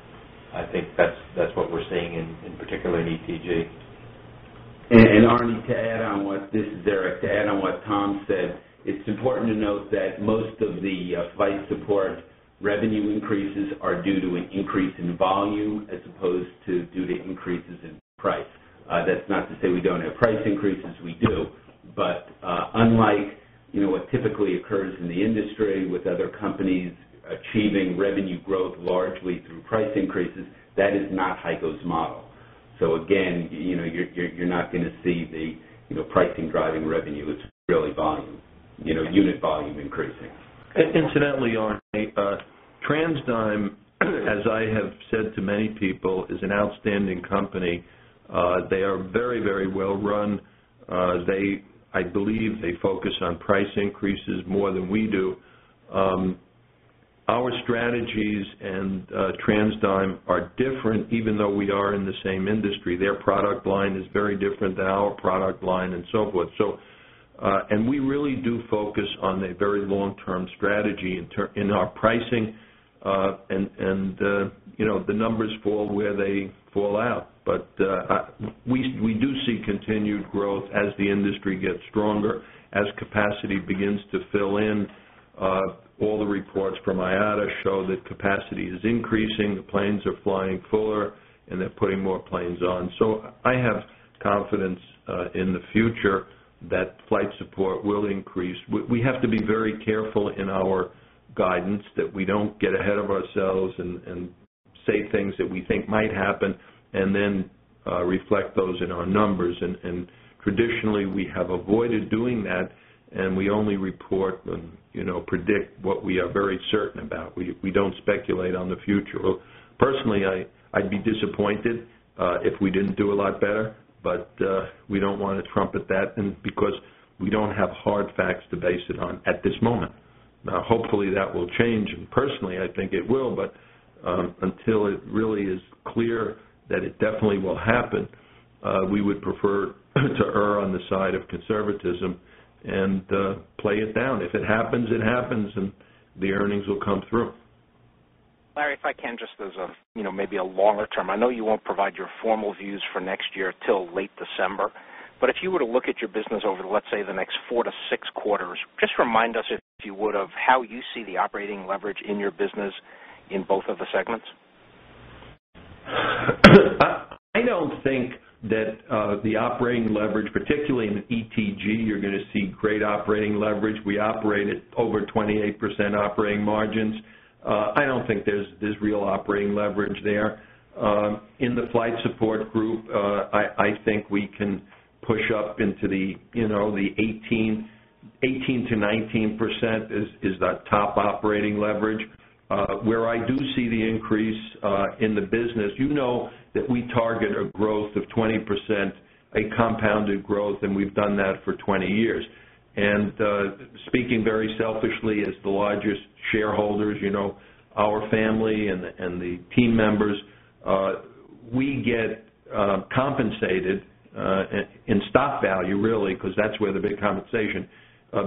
I think that's what we're seeing in particular in ETG. And Arne, to add on what this is Eric. To add on what Tom said, it's important to note that most of the Flight Support revenue increases are due to an increase in volume as opposed to due to increases in price. That's not to say we don't have price increases, we do. But unlike what typically occurs in the industry with other companies achieving revenue growth largely through price increases, that is not HEICO's model. So again, you're not going to see the pricing driving revenue, it's really volume unit volume increasing. Incidentally, Arne, TransDigm, as I have said to many people, is an outstanding company. They are very, very well run. They I believe they focus on price increases more than we do. Our strategies and TransDigm are different even though we are in the same industry. Their product line is very different than our product line and so forth. So and we really do focus on a very long term strategy in our pricing and the numbers fall where they fall out. But we do see continued growth as the industry gets stronger, as capacity begins to fill in. All the reports from IATA show that capacity is increasing, the planes are flying fuller and they're putting more planes on. So I have confidence in the future that flight support will increase. We have to be very careful in our guidance that we don't get ahead of ourselves and say things that we think might happen and then reflect those in our numbers. And traditionally, we have avoided doing that and we only report predict what we are very certain about. We don't speculate on the future. Personally, I'd be disappointed if we didn't do a lot better, but we don't want to trumpet that because we don't have hard facts to base it on at this moment. Now hopefully that will change and personally I think it will, but until it really is clear that it definitely will happen, we would prefer to on the side of conservatism and play it down. If it happens, it happens and the earnings will come through. Larry, if I can just as a maybe a longer term, I know you won't provide your formal views for next year till late December. But if you were to look at your business over, let's say, the next 4 to 6 quarters, just remind us, if you would, of how you see the operating leverage in your business in both of the segments? I don't think that the operating leverage particularly in ETG you're going to see great operating leverage. We operate at over 28% operating margins. I don't think there's real operating leverage there. In the Flight Support group, I think we can push up into the 18% to 19% is that top operating leverage. Where I do see the increase in the business, you know that we target a growth of 20%, a compounded growth, and we've done that for 20 years. And speaking very selfishly, as the largest shareholders, our family and the team members, we get compensated in stock value really because that's where the big compensation,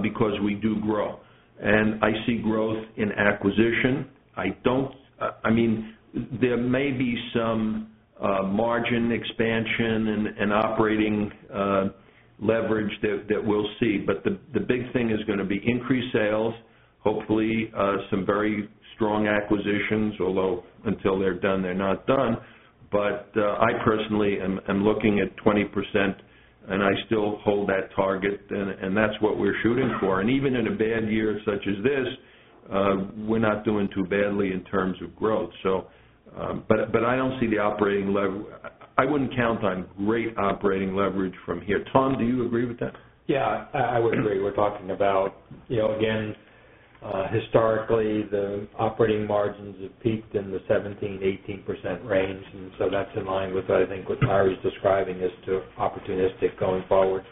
because we do grow. And I see growth in acquisition. I don't I mean, there may be some margin expansion and operating leverage that we'll see. But the big thing is going to be increased sales, hopefully, some very strong acquisitions, although until they're done, they're not done. But I personally am looking at 20%, and I still hold that target and that's what we're shooting for. And even in a bad year such as this, we're not doing too badly in terms of growth. So but I don't see the operating I wouldn't count on great operating leverage from here. Tom, do you agree with that? Yes, I would agree. We're talking about again, historically, the operating margins have peaked in the 17% to 18% range. And so that's in line with what I think what Tyre is describing as to opportunistic going forward.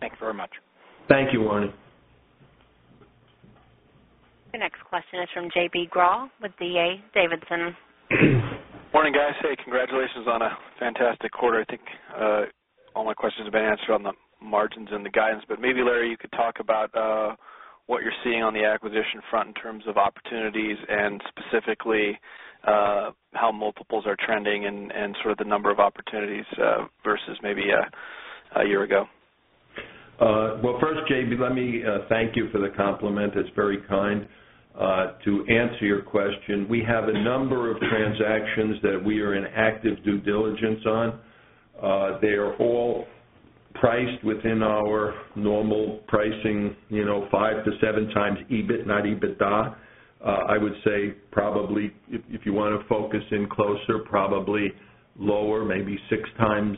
Thanks very much. Thank you, Warren. Your next question is from JB Growe with D. A. Davidson. Good morning, guys. Hey, congratulations on a fantastic quarter. I think all my questions have been answered on the margins and the guidance. But maybe, Larry, you could talk about what you're seeing on the acquisition front in terms of opportunities and specifically how multiples are trending and sort of the number of opportunities versus maybe a year ago? Well, first, JB, let me thank you for the compliment. It's very kind to answer your question. We have a number of transactions that we are in active due diligence on. They are all priced within our normal pricing, 5 to 7 times EBIT, not EBITDA. I would say probably if you want to focus in closer, probably lower maybe 6 times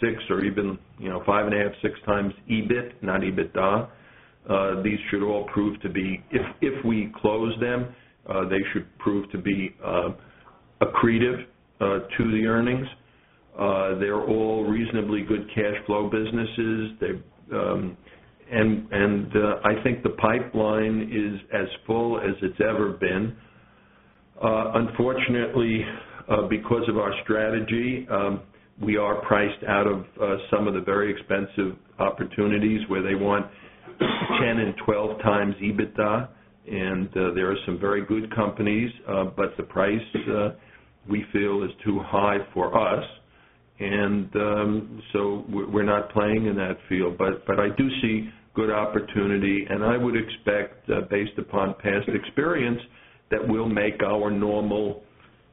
6 or even 5.5 times, 6 times EBIT, not EBITDA. These should all prove to be if we close them, they should prove to be accretive to the earnings. They're all reasonably good cash flow businesses. And I think the pipeline is as full as it's ever been. Unfortunately, because of our strategy, we are priced out of some of the very expensive opportunities where they want 10 times and 12 times EBITDA. And there are some very good companies, but the price we feel is too high for us. And so we're not playing in that field, but I do see good opportunity. And I would expect, based upon past experience, that we'll make our normal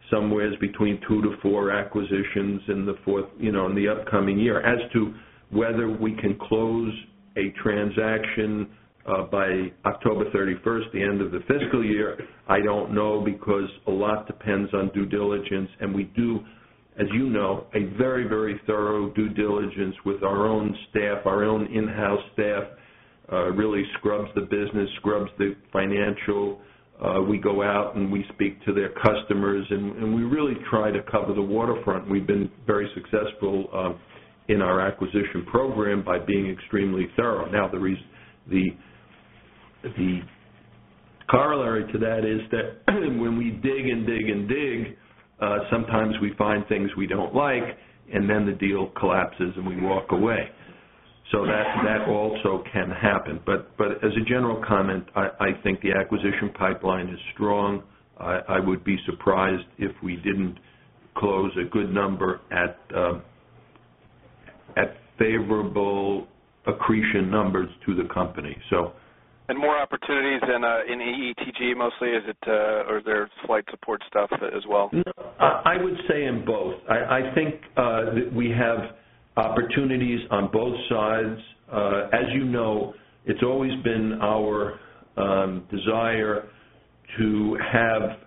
somewhere between 2 to 4 acquisitions in the 4th in the upcoming year as to whether we can close a transaction by October 31, the end of the fiscal year, I don't know because a lot depends on due diligence. And we do, as you know, a very, very thorough due diligence with our own staff, our own in house staff, really scrubs the business, scrubs the financial. We go out and we speak to their customers and we really try to cover the waterfront. We've been very successful in our acquisition program by being extremely thorough. Now the corollary to that is that when we dig and dig and dig, sometimes we find things we don't like and then the deal collapses and we walk away. So that also can happen. But as a general comment, I think the acquisition pipeline is strong. I would be surprised if we didn't close a good number at favorable accretion numbers to the company. So And more opportunities in ETG mostly, is it or is there flight support stuff as well? I would say in both. I think that we have opportunities on both sides. As you know, it's always been our desire to have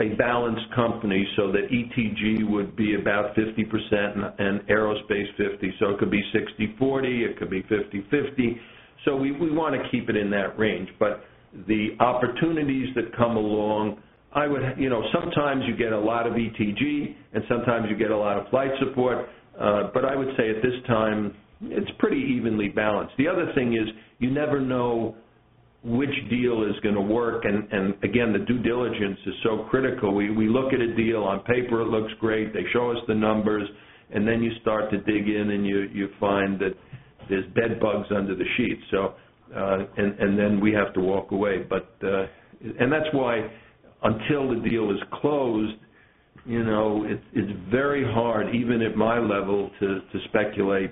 a balanced company so that ETG would be about 50% and Aerospace 50%. So it could be sixty-forty, it could be fifty-fifty. So we want to keep it in that range. But the opportunities that come along, I would sometimes you get a lot of ETG and sometimes you get a lot of flight support. But I would say at this time, it's pretty evenly balanced. The other thing is you never know which deal is going to work. And again, the due diligence is so critical. We look at a deal on paper, it looks great. They show us the numbers. And then you start to dig in and you find that there's dead bugs under the sheet. So and then we have to walk away. But and that's why until the deal is closed, it's very hard even at my level to speculate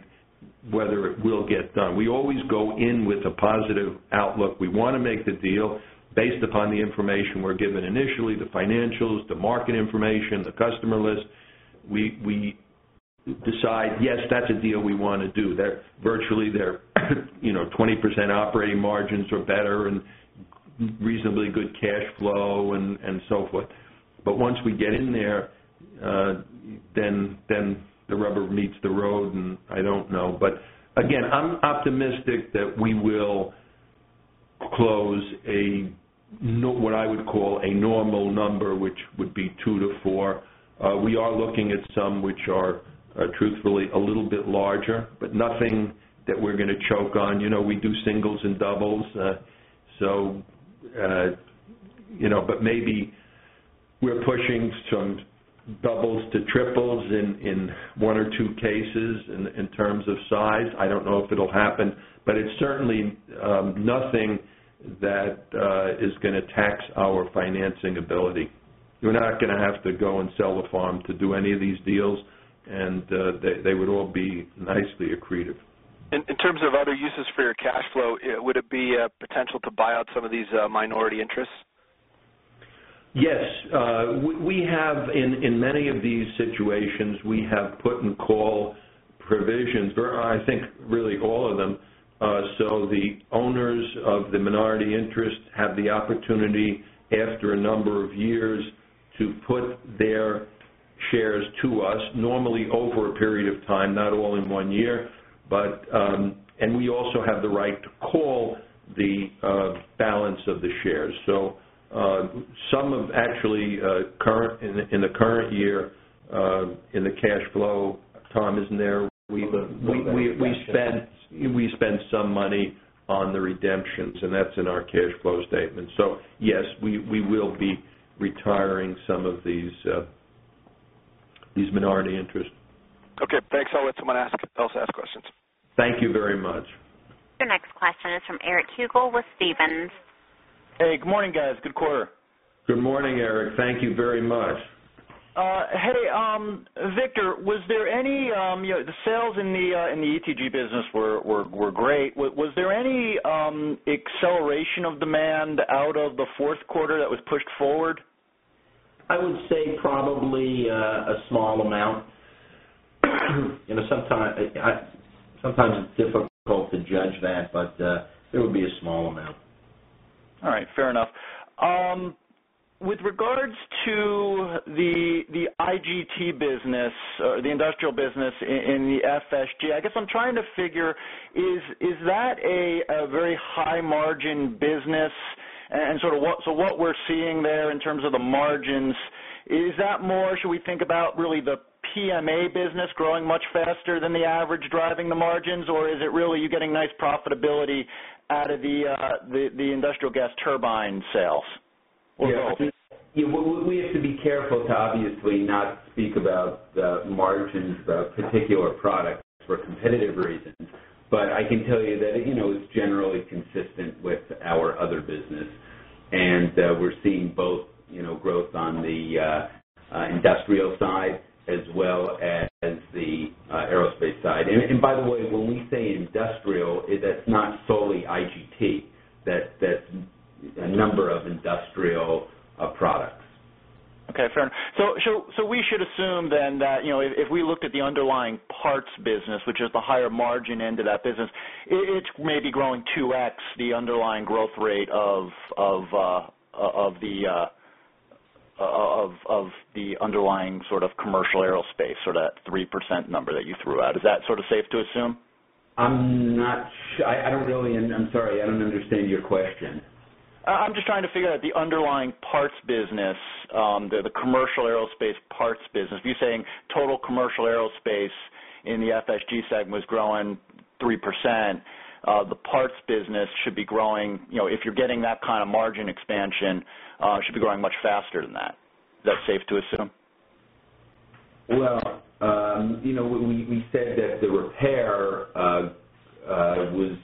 whether it will get done. We always go in with a positive outlook. We want to make the deal based upon the information we're given initially, the financials, the market information, the customer list, we decide, yes, that's a deal we want to do. Virtually there, 20% operating margins are better and reasonably good cash flow and so forth. But once we get in there, then the rubber meets the road and I don't know. But again, I'm optimistic that we will close a what I would call a normal number, which would be 2% to 4%. We are looking at some which are truthfully a little bit larger, but nothing that we're going to choke on. We do singles and doubles. So but maybe we're pushing from doubles to triples in 1 or 2 cases in terms of size. I don't know if it will happen, but it's certainly nothing that is going to tax our financing ability. You're not going to have to go and sell the farm to do any of these deals and they would all be nicely accretive. In terms of other uses for your cash flow, would it be a potential to buy out some of these minority interests? Yes. We have in many of these situations, we have put in call provisions, I think really all of them. So the owners of the minority interest have the opportunity after a number of years to put their shares to us, normally over a period of time, not all in 1 year, but and we also have the right to call the balance of the shares. So some have actually current in the current year in the cash flow, Tom isn't there, we spent some money on the redemptions and that's in our cash flow statement. So yes, we will be retiring some of these minority interest. Okay, thanks. I'll let someone ask questions. Thank you very much. Your next question is from Eric Huegel with Stephens. Hey, good morning guys. Good quarter. Good morning, Eric. Thank you very much. Hedi, Victor, was there any the sales in the ETG business were great. Was there any acceleration of demand out of the Q4 that was pushed forward? I would say probably a small amount. Sometimes it's difficult to judge that, but it will be a small amount. All right, fair enough. With regards to the IGT business, the industrial business in the FSG, I guess I'm trying to figure is that a very high margin business and sort of what so what we're seeing there in terms of the margins, is that more should we think about really the PMA business growing much faster than the average driving the margins? Or is it really you're getting nice profitability out of the industrial gas turbine sales? Yes. We have to be careful to obviously not speak about the margins of particular products for competitive reasons. But I can tell you that it's generally consistent with our other business and we're seeing both growth on the industrial side as well as the aerospace side. And by the way, when we say industrial, that's not solely IGT, that's a number of industrial products. Okay, fair enough. So we should assume then that if we look at the underlying parts business, which is the higher margin end of that business, it may be growing 2x the underlying growth rate of the underlying sort of commercial aerospace sort of 3% number that you threw out. Is that sort of safe to assume? I'm not I don't really I'm sorry, I don't understand your question. I'm just trying to figure out the underlying parts business, the commercial aerospace parts business, if you're saying total commercial aerospace in the FSG segment was growing 3%, the parts business should be growing if you're getting that kind of margin expansion, should be growing much faster than that. Is that safe to assume? Well, we said that the repair was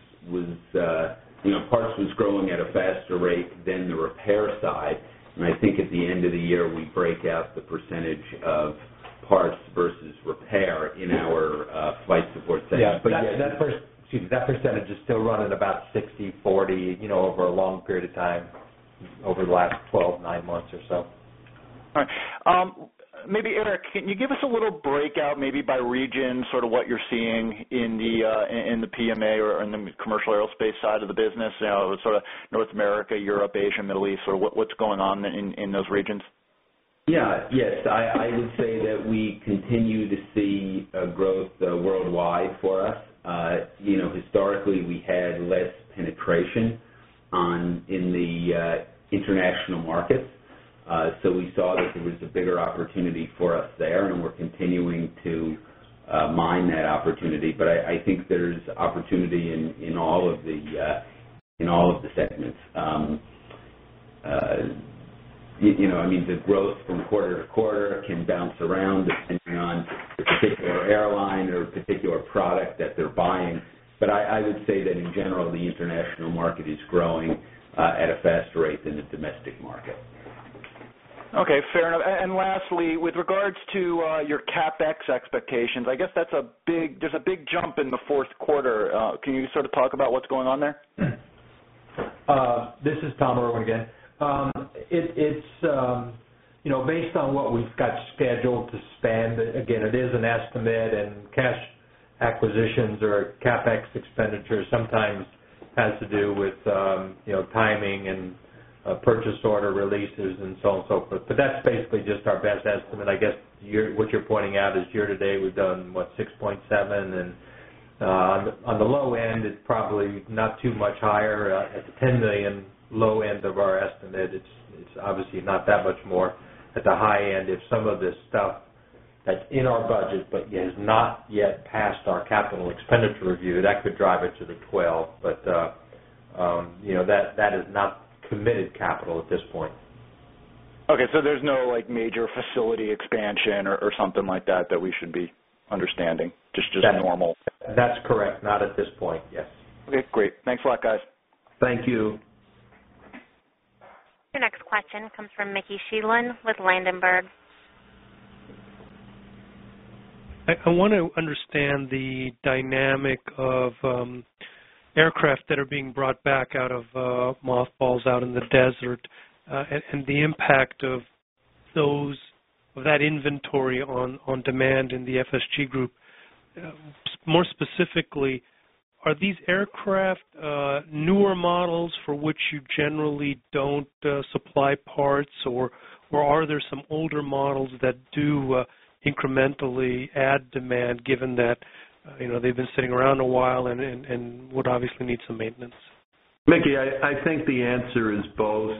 parts was growing at a faster rate than the repair side. And I think at the end of the year, we break out the percentage of parts versus repair in our flight support segment. Yes. But that percentage is still running about sixty-forty over a long period of time over the last 12, 9 months or so. All right. Maybe Eric, can you give us a little breakout maybe by region sort of what you're seeing in the PMA or in the commercial aerospace side of the business, sort of North America, Europe, Asia, Middle East, sort of what's going on in those regions? Yes. Yes, I would say that we continue to see growth worldwide for us. Historically, we had less penetration in the international markets. So we saw that there was a bigger opportunity for us there and we're continuing to mine that opportunity. But I think there's opportunity in all of the segments. I mean, the growth from quarter to quarter can bounce around depending on a particular airline or particular product that they're buying. But I would say that in general, the international market is growing at a faster rate than the domestic market. Okay, fair enough. And lastly, with regards to your CapEx expectations, I guess that's a big there's a big jump in the Q4. Can you sort of talk about what's going on there? This is Tom Irwin again. It's based on what we've got scheduled to spend, again, it is an estimate and cash acquisitions or CapEx expenditures sometimes has to do with timing and purchase order releases and so on and so forth. But that's basically just our best estimate. I guess what you're pointing out is year to date we've done what 6.7 and on the low end, it's probably not too much higher at the $10,000,000 low end of our estimate. It's obviously not that much more at the high end if some of this stuff that's in our budget, but yet is not yet passed our capital expenditure review that could drive it to the 12. But that is not committed capital at this point. Okay. So there's no like major facility expansion or something like that, that we should be understanding, just normal? That's correct. Not at this point, yes. Okay, great. Thanks a lot guys. Thank you. Your next question comes from Mickey Schleien with Ladenburg. I want to understand the dynamic of aircraft that are being brought back out of mothballs out in the desert and the impact of those that inventory on demand in the FSG group. More specifically, are these aircraft newer models for which you generally don't supply parts? Or are there some older models that do incrementally add demand given that they've been sitting around a while and would obviously need some maintenance? Mickey, I think the answer is both.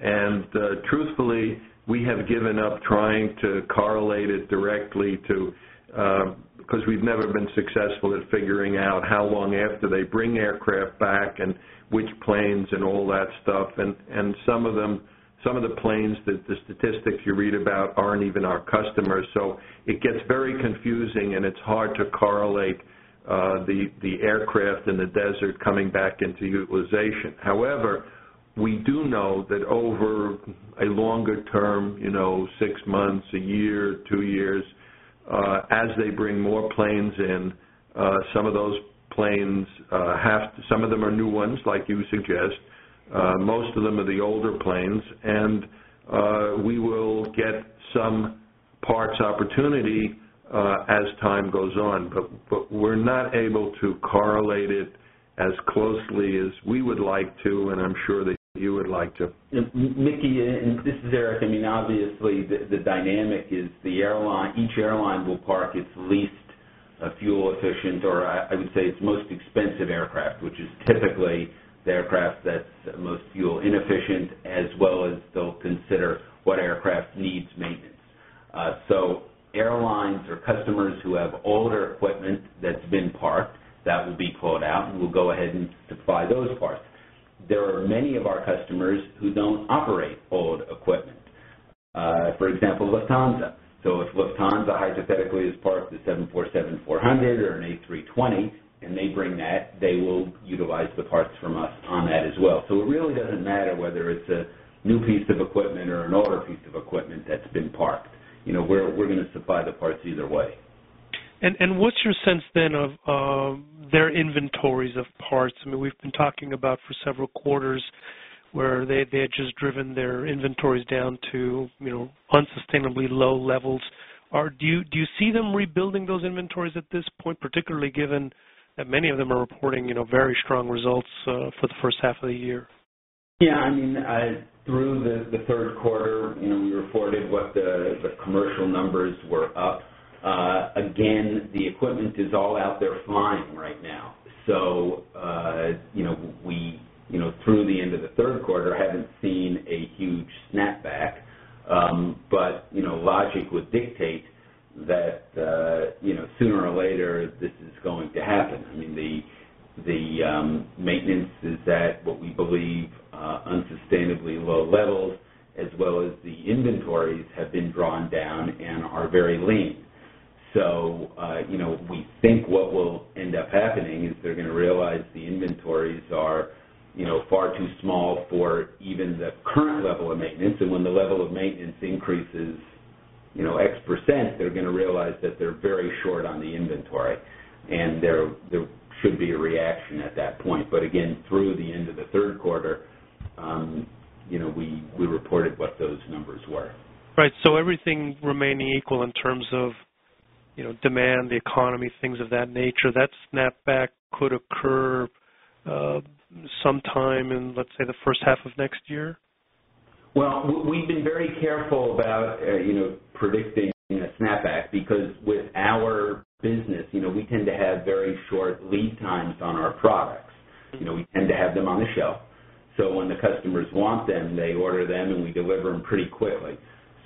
And truthfully, we have given up trying to correlate it directly to because we've never been successful at figuring out how long after they bring aircraft back and which planes and all that stuff. And some of them some of the planes that the statistics you read about aren't even our customers. So it gets very confusing and it's hard to correlate the aircraft in the desert coming back into utilization. However, we do know that over a longer term, 6 months, a year, 2 years, as they bring more planes in, Some of those planes have some of them are new ones like you suggest, most of them are the older planes. And we will get some parts opportunity as time goes on. But we're not able to correlate it as closely as we would like to and I'm sure that you would like to. Mickey, this is Eric. I mean, obviously, the dynamic is the airline each airline will park its least fuel efficient or I would say its most expensive aircraft, which is typically the aircraft that's most fuel inefficient as well as they'll consider what aircraft needs maintenance. So airlines or customers who have older equipment that's been parked, that will be called out and we'll go ahead and supply those parts. There are many of our customers who don't operate old equipment. For example, Lufthansa. So if Lufthansa hypothetically is parked the 747-400 or an A320 and they bring that, they will utilize the parts from us on that as well. So it really doesn't matter whether it's a new piece of equipment or an older piece of equipment that's been parked. We're going to supply the parts either way. And what's your sense then of their inventories of parts? I mean, we've been talking about for several quarters where they had just driven their inventories down to unsustainably low levels. Do you see them rebuilding those inventories at this point, particularly given that many of them are reporting very strong results for the first half of the year? Yes. I mean, through the Q3, we reported what the commercial numbers were up. Again, the equipment is all out there flying right now. So we through the end of the third quarter haven't seen a huge snapback, but logic would dictate that sooner or later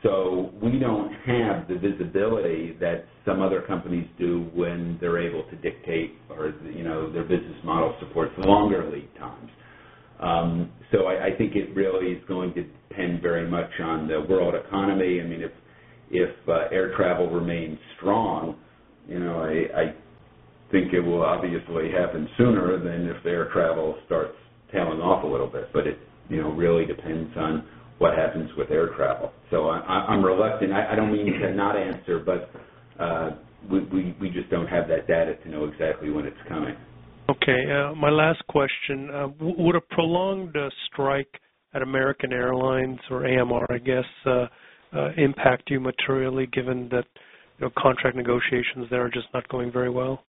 So we don't have the visibility that some other companies do when they're able to dictate or their business model supports longer lead times. So I think it really is going to depend very much on the world economy. I mean if air travel remains strong, I think it will obviously happen sooner than if the air travel starts tailing off a little bit. But it really depends on what happens with air travel. So I'm reluctant. I don't mean to not answer, but we just don't have that data to know exactly when it's coming. Okay. My last question, would a prolonged strike at American Airlines or AMR, I guess, impact you materially given that contract negotiations there are just not going very well?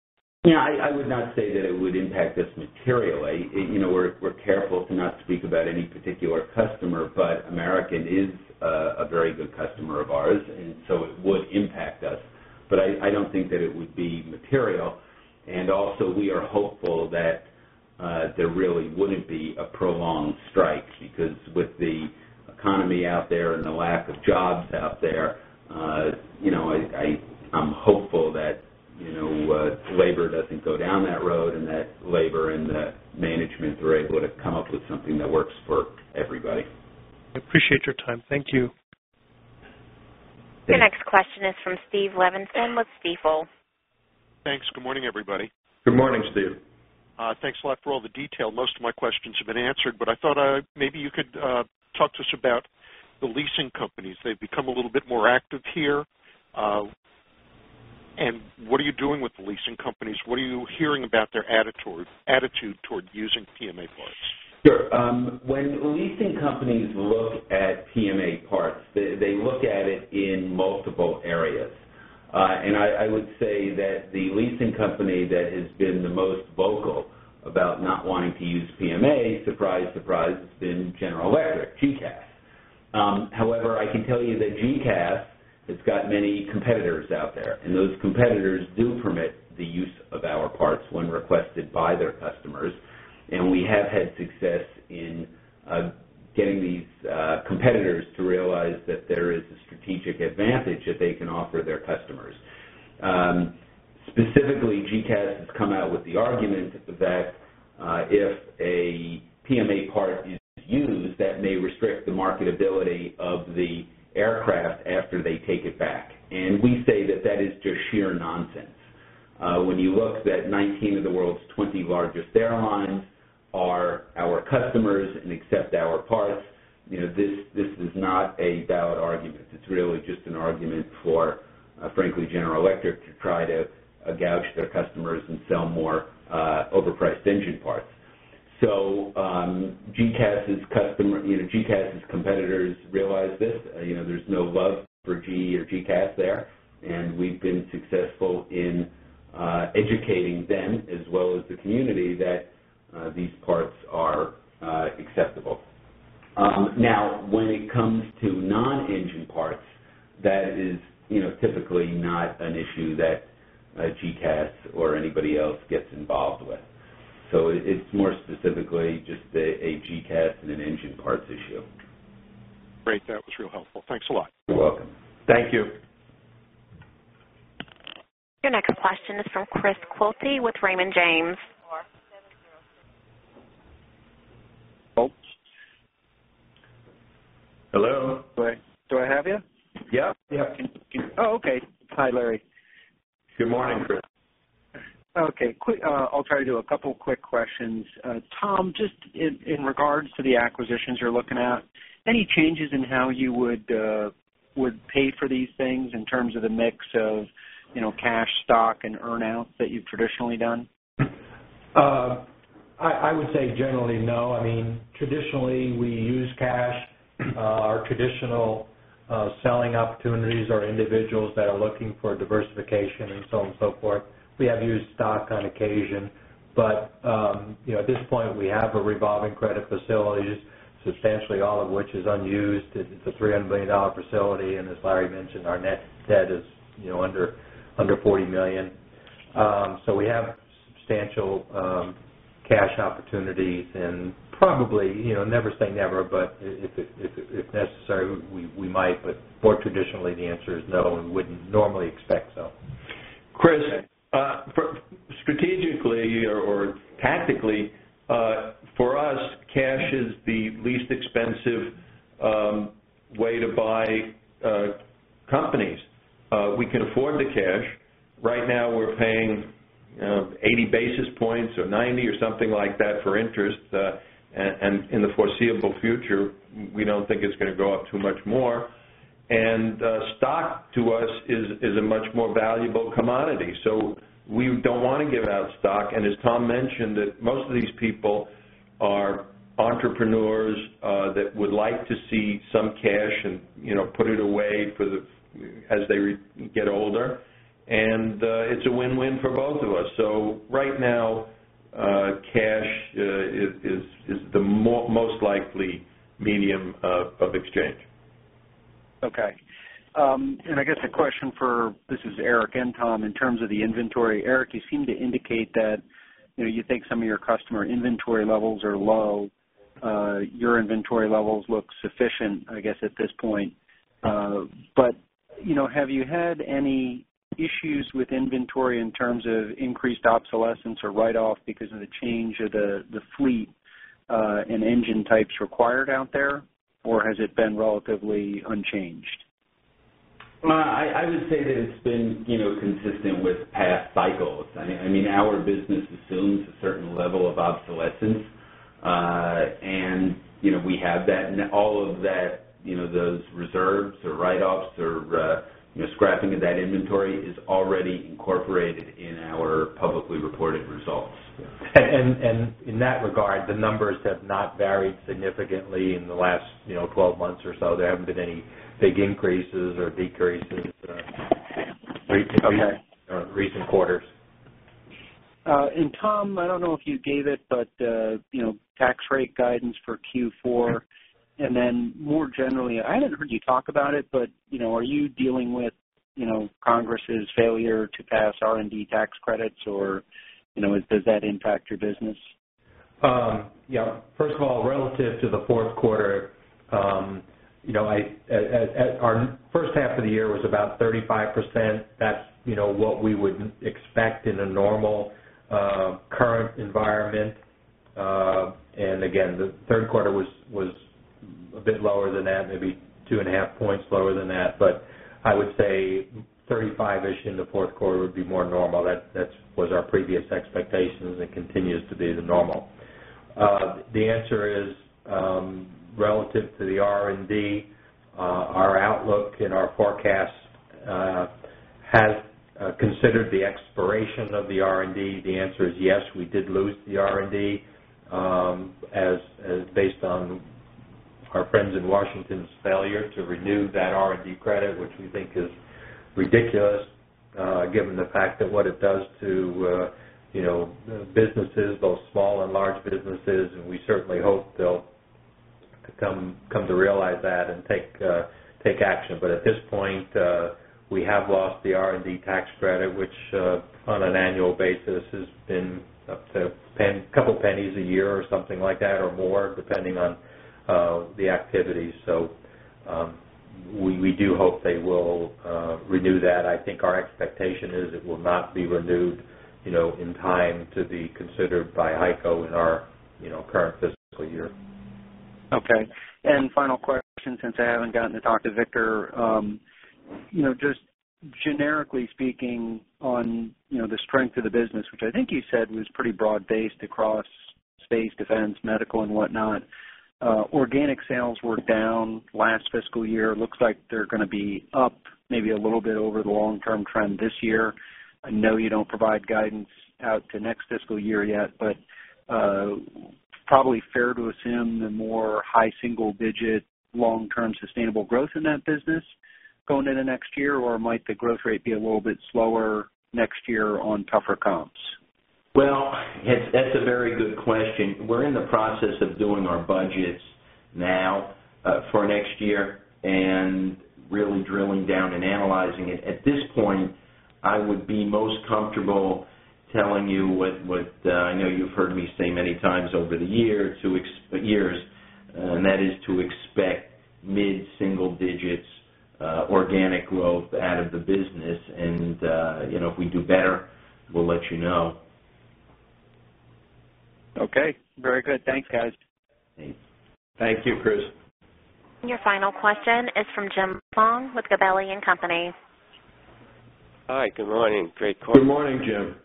Yes, I would not say that it would impact us materially. We're careful to not speak about any particular customer, but American is a very good customer of ours and so it would impact us. But I don't think that it would be material. And also we are hopeful that there really wouldn't be a prolonged strike because with the economy out there and the lack of jobs out there, I'm hopeful that labor doesn't go down that road and that labor and the management are able to come up with something that works for everybody. Appreciate your time. Thank you. The next question is from Steve Levinson with Stifel. Thanks. Good morning, everybody. Good morning, Steve. Thanks a lot for all the detail. Most of my questions have been answered, but I thought maybe you could talk to us about the leasing companies. They've become a little bit more active here. And what are you doing with the leasing companies? What are you hearing about their attitude toward using PMA parts? Sure. When leasing companies look at PMA parts, they look at it in multiple areas. And I would say that the leasing company that has been the most vocal about not wanting to use PMA, surprise, surprise, it's been General Electric, GECAS. However, I can tell you that GECAS has got many competitors out there and those competitors do permit the use of our parts when requested by their customers. And we have had success in getting these competitors to realize that there is a strategic advantage that they can offer their customers. Specifically, GECAS has come out with the argument that if a PMA part is used, that may restrict the marketability of the aircraft after they take it back. And we say that that is just sheer nonsense. When you look at 19 of the world's 20 largest airlines are our customers and accept our parts, this is not a valid argument. It's really just an argument for, frankly, General Electric to try to gouge their customers and sell more overpriced engine parts. So, GECAS is customer GECAS's competitors realize this. There's no love for GE or GECAS there. And we've been successful in educating them as well as the community that these parts are acceptable. Now when it comes to non engine parts, that is typically not an issue that GECAS or anybody else gets involved with. So it's more specifically just a GECAS and an engine parts issue. Great. That was real helpful. Thanks a lot. You're welcome. Thank you. Your next question is from Chris Quilty with Raymond James. Hello? Do I have you? Yes. Okay. Hi, Larry. Good morning, Chris. Okay. I'll try to do a couple of quick questions. Tom, just in regards to the acquisitions you're looking at, any changes in how you would pay for these things in terms of the mix of cash stock and earn out that you've traditionally done? I would say generally no. I mean traditionally we use cash. Our traditional selling opportunities are individuals that are looking for diversification and so on and so forth. We have used stock on occasion. But at this point, we have a revolving credit facilities, substantially all of which is unused. It's a $300,000,000 facility and as Larry mentioned, our net debt is under $40,000,000 So we have substantial cash opportunities and probably never say never, but if necessary we might, but more traditionally the answer is no, we wouldn't normally expect so. Chris, strategically or tactically, for us, cash is the least expensive way to buy companies. We can afford the cash. Right now, we're paying 80 basis points or 90 basis points or something like that for interest. And in the foreseeable future, we don't think it's going to go up too much more. And stock to us is a much more valuable commodity. So we don't want to give out stock. And as Tom mentioned that most of these people are entrepreneurs that would like to see some cash and put it away for the as they get older. And it's a win win for both of us. So right now, cash is the most likely medium of exchange. Okay. And I guess a question for this is Eric and Tom in terms of the inventory. Eric, you seem to indicate that you think some of your customer inventory levels are low. Your inventory levels look sufficient, I guess, at this point. But have you had any issues with inventory in terms of increased obsolescence or write off because of the change of the fleet and engine types required out there? Or has it been relatively unchanged? I would say that it's been consistent with past cycles. I mean, our business assumes a certain level of obsolescence. And we have that and all of that those reserves or write offs or scrapping of that inventory is already incorporated in our publicly reported results. And in that regard, the numbers have not varied significantly in the last 12 months or so. There haven't been any big increases or decreases in recent quarters. And Tom, I don't know if you gave it, but tax rate guidance for Q4. And then more generally, I haven't heard you talk about it, but are you dealing with Congress's failure to pass R and D tax credits or does that impact your business? Yes. First of all, relative to the Q4, our first half of the year was about 35%. That's what we would expect in a normal current environment. And again, the Q3 was a bit lower than that, maybe 2.5 points lower than that. But I would say 35 ish in the 4th quarter would be more normal. That was our previous expectations and continues to be the normal. The answer is relative to the R and D, our outlook and our forecast has considered the expiration of the R and D. The answer is yes, we did lose the R and D as based on our friends in Washington's failure to renew that R and D credit, which we think is ridiculous given the fact that what it does to businesses, both small and large businesses. And we certainly hope they'll come to realize that and take action. But at this point, we have lost the R and D tax credit, which on an annual basis has been up to a couple of pennies a year or something like that or more depending on the activities. So we do hope they will renew that. I think our expectation is it will not be renewed in time to be considered by HEICO in our current fiscal year. Okay. And final question since I haven't gotten to talk to Victor. Just generically speaking on the strength of the business, which I think you said was pretty broad based across space, defense, medical and whatnot, Organic sales were down last fiscal year. It looks like they're going to be up maybe a little bit over the long term trend this year. I know you don't provide guidance out out to next fiscal year yet, but probably fair to assume the more high single digit long term sustainable growth in that business going into next year or might the growth rate be a little bit slower next year on tougher comps? Well, that's a very good question. We're in the process of doing our budgets now for next year and really drilling down and analyzing it. At this point, I would be most comfortable telling you what I know you've heard me say many times over the years and that is to expect mid single digits organic growth out of the business and if we do better, we'll let you know. Okay. Very good. Thanks guys. Thank you, Chris. And your final question is from Jim Fong with Gabelli and Company. Hi, good morning. Great quarter. Good morning, Jim.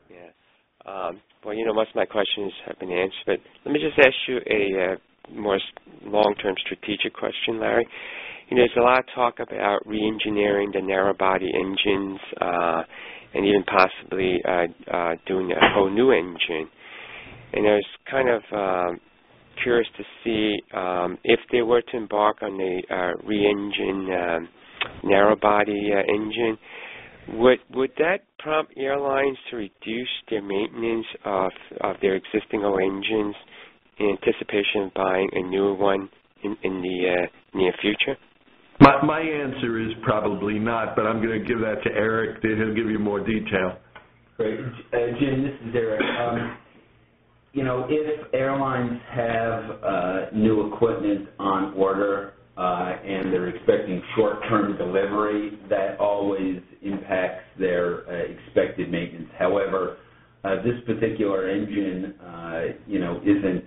Well, most of my questions have been answered. But let me just ask you a more long term strategic question, Larry. There's a lot of talk about reengineering the narrow body engines and even possibly doing a whole new engine. And I was kind of curious to see if they were to embark on a reengine narrow body engine, would that prompt airlines to reduce their maintenance of their existing engines in anticipation of buying a newer one in the near future? My answer is probably not, but I'm going to give that to Eric. He'll give you more detail. Great. Jim, this is Eric. Eric. If airlines have new equipment on order and they're expecting short term delivery, that always impacts their expected maintenance. However, this particular engine isn't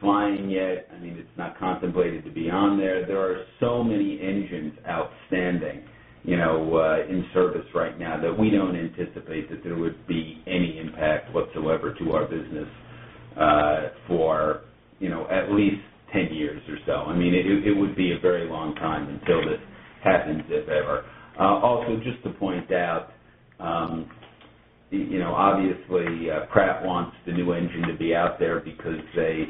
flying yet. I mean, it's not contemplated to be on there. There are so many engines outstanding in service right now that we don't anticipate that there would be any impact whatsoever to our business for at least 10 years or so. I mean, it would be a very long time until this happens if ever. Also just to point out, obviously Pratt wants the new engine to be out there because they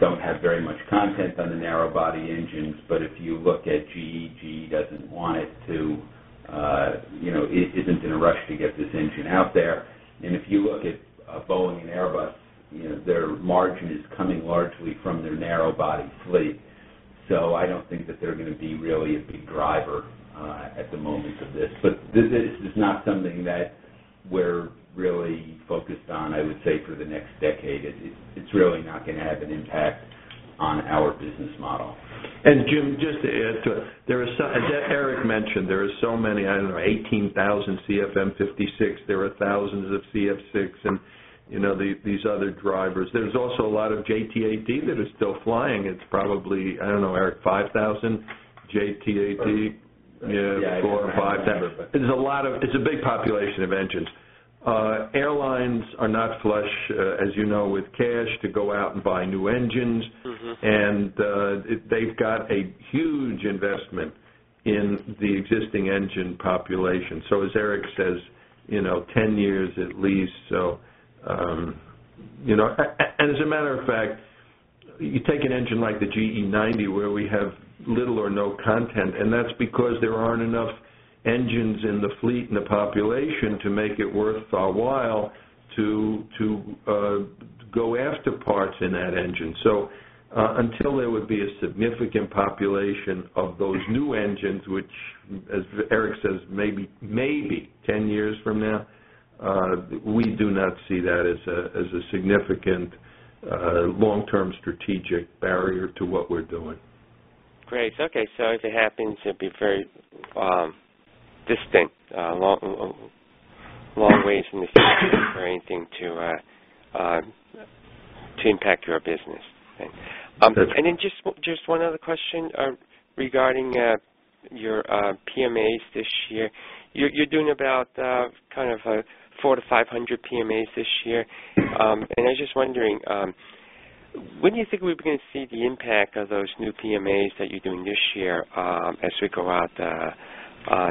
don't have very much content on the narrow body engines. But if you look at GEG, doesn't want it to isn't in a rush to get this engine out there. And if you look at Boeing and Airbus, their margin is coming largely from their narrow body fleet. So I don't think that they're going to be really a big driver at the moment of this. But this is not something that we're really focused on, I would say, for the next decade. It's really not going to have an impact on our business model. And Jim, just to add to Eric mentioned, there are so many, I don't know, 18,000 CFM56, there are thousands of CF6 and these other drivers. There's also a lot of JTAD that is still flying. It's probably, I don't know, Eric, 5,000 JTAT, 4 or 5,000. It's a lot of it's a big population of engines. Airlines are not flush, as you know, with cash to go out and buy new engines. And they've got a huge investment in the existing engine population. So as Eric says, 10 years at least. So as a matter of fact, you take an engine like the GE90 where we have little or no content and that's because there aren't enough engines in the fleet and the population to make it worth our while to go after parts in that engine. So until there would be a significant population of those new engines, which as Eric says, maybe 10 years from now, we do not see that as a significant long term strategic barrier to what we're doing. Great. Okay. So if it happens, it'd be very distinct, long ways in the system for anything to impact your business. And then just one other question regarding your PMAs this year. You're doing about kind of 400 to 500 PMAs this year. And I was just wondering, when do you think we're going to see the impact of those new PMAs that you're doing this year as we go out?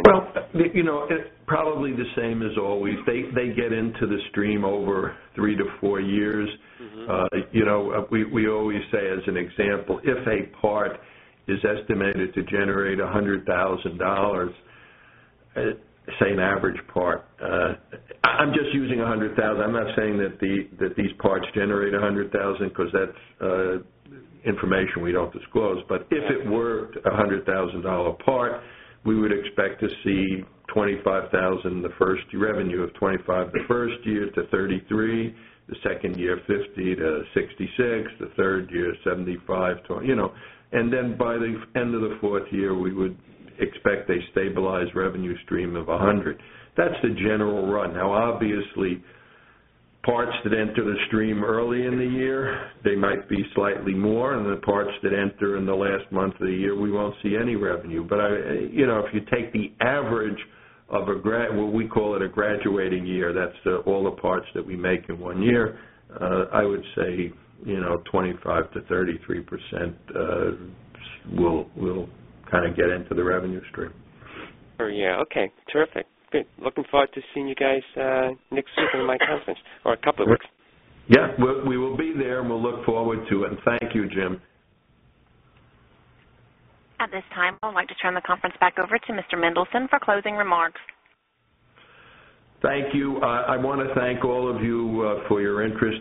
Well, it's probably the same as always. They get into the stream over 3 to 4 years. We always say as an example, if a part is estimated to generate $100,000 say an average part, I'm just using $100,000 I'm not saying that these parts generate $100,000 because that's information we don't disclose. But if it were $100,000 apart, we would expect to see $25,000 in the first revenue of $25,000 the 1st year to 33, the 2nd year $50,000,000 to $66,000,000 the 3rd year $75,000,000 And then by the end of the 4th year, we would expect a stabilized revenue stream of 100. That's the general run. Now obviously, parts that enter the stream early in the year, they might be slightly more and the parts that enter in the last month of the year, we won't see any revenue. But if you take the average of a grad what we call it a graduating year, that's all the parts that we make in 1 year, I would say 25% to 33 percent will kind of get into the revenue stream. Yes. Okay. Terrific. Looking forward to seeing you guys next week in my conference or a couple of weeks. Yes. We will be there and we'll look forward to it. Thank you, Jim. At this time, I'd like to turn the conference back over to Mr. Mendelson for closing remarks. Thank you. I want to thank all of you for your interest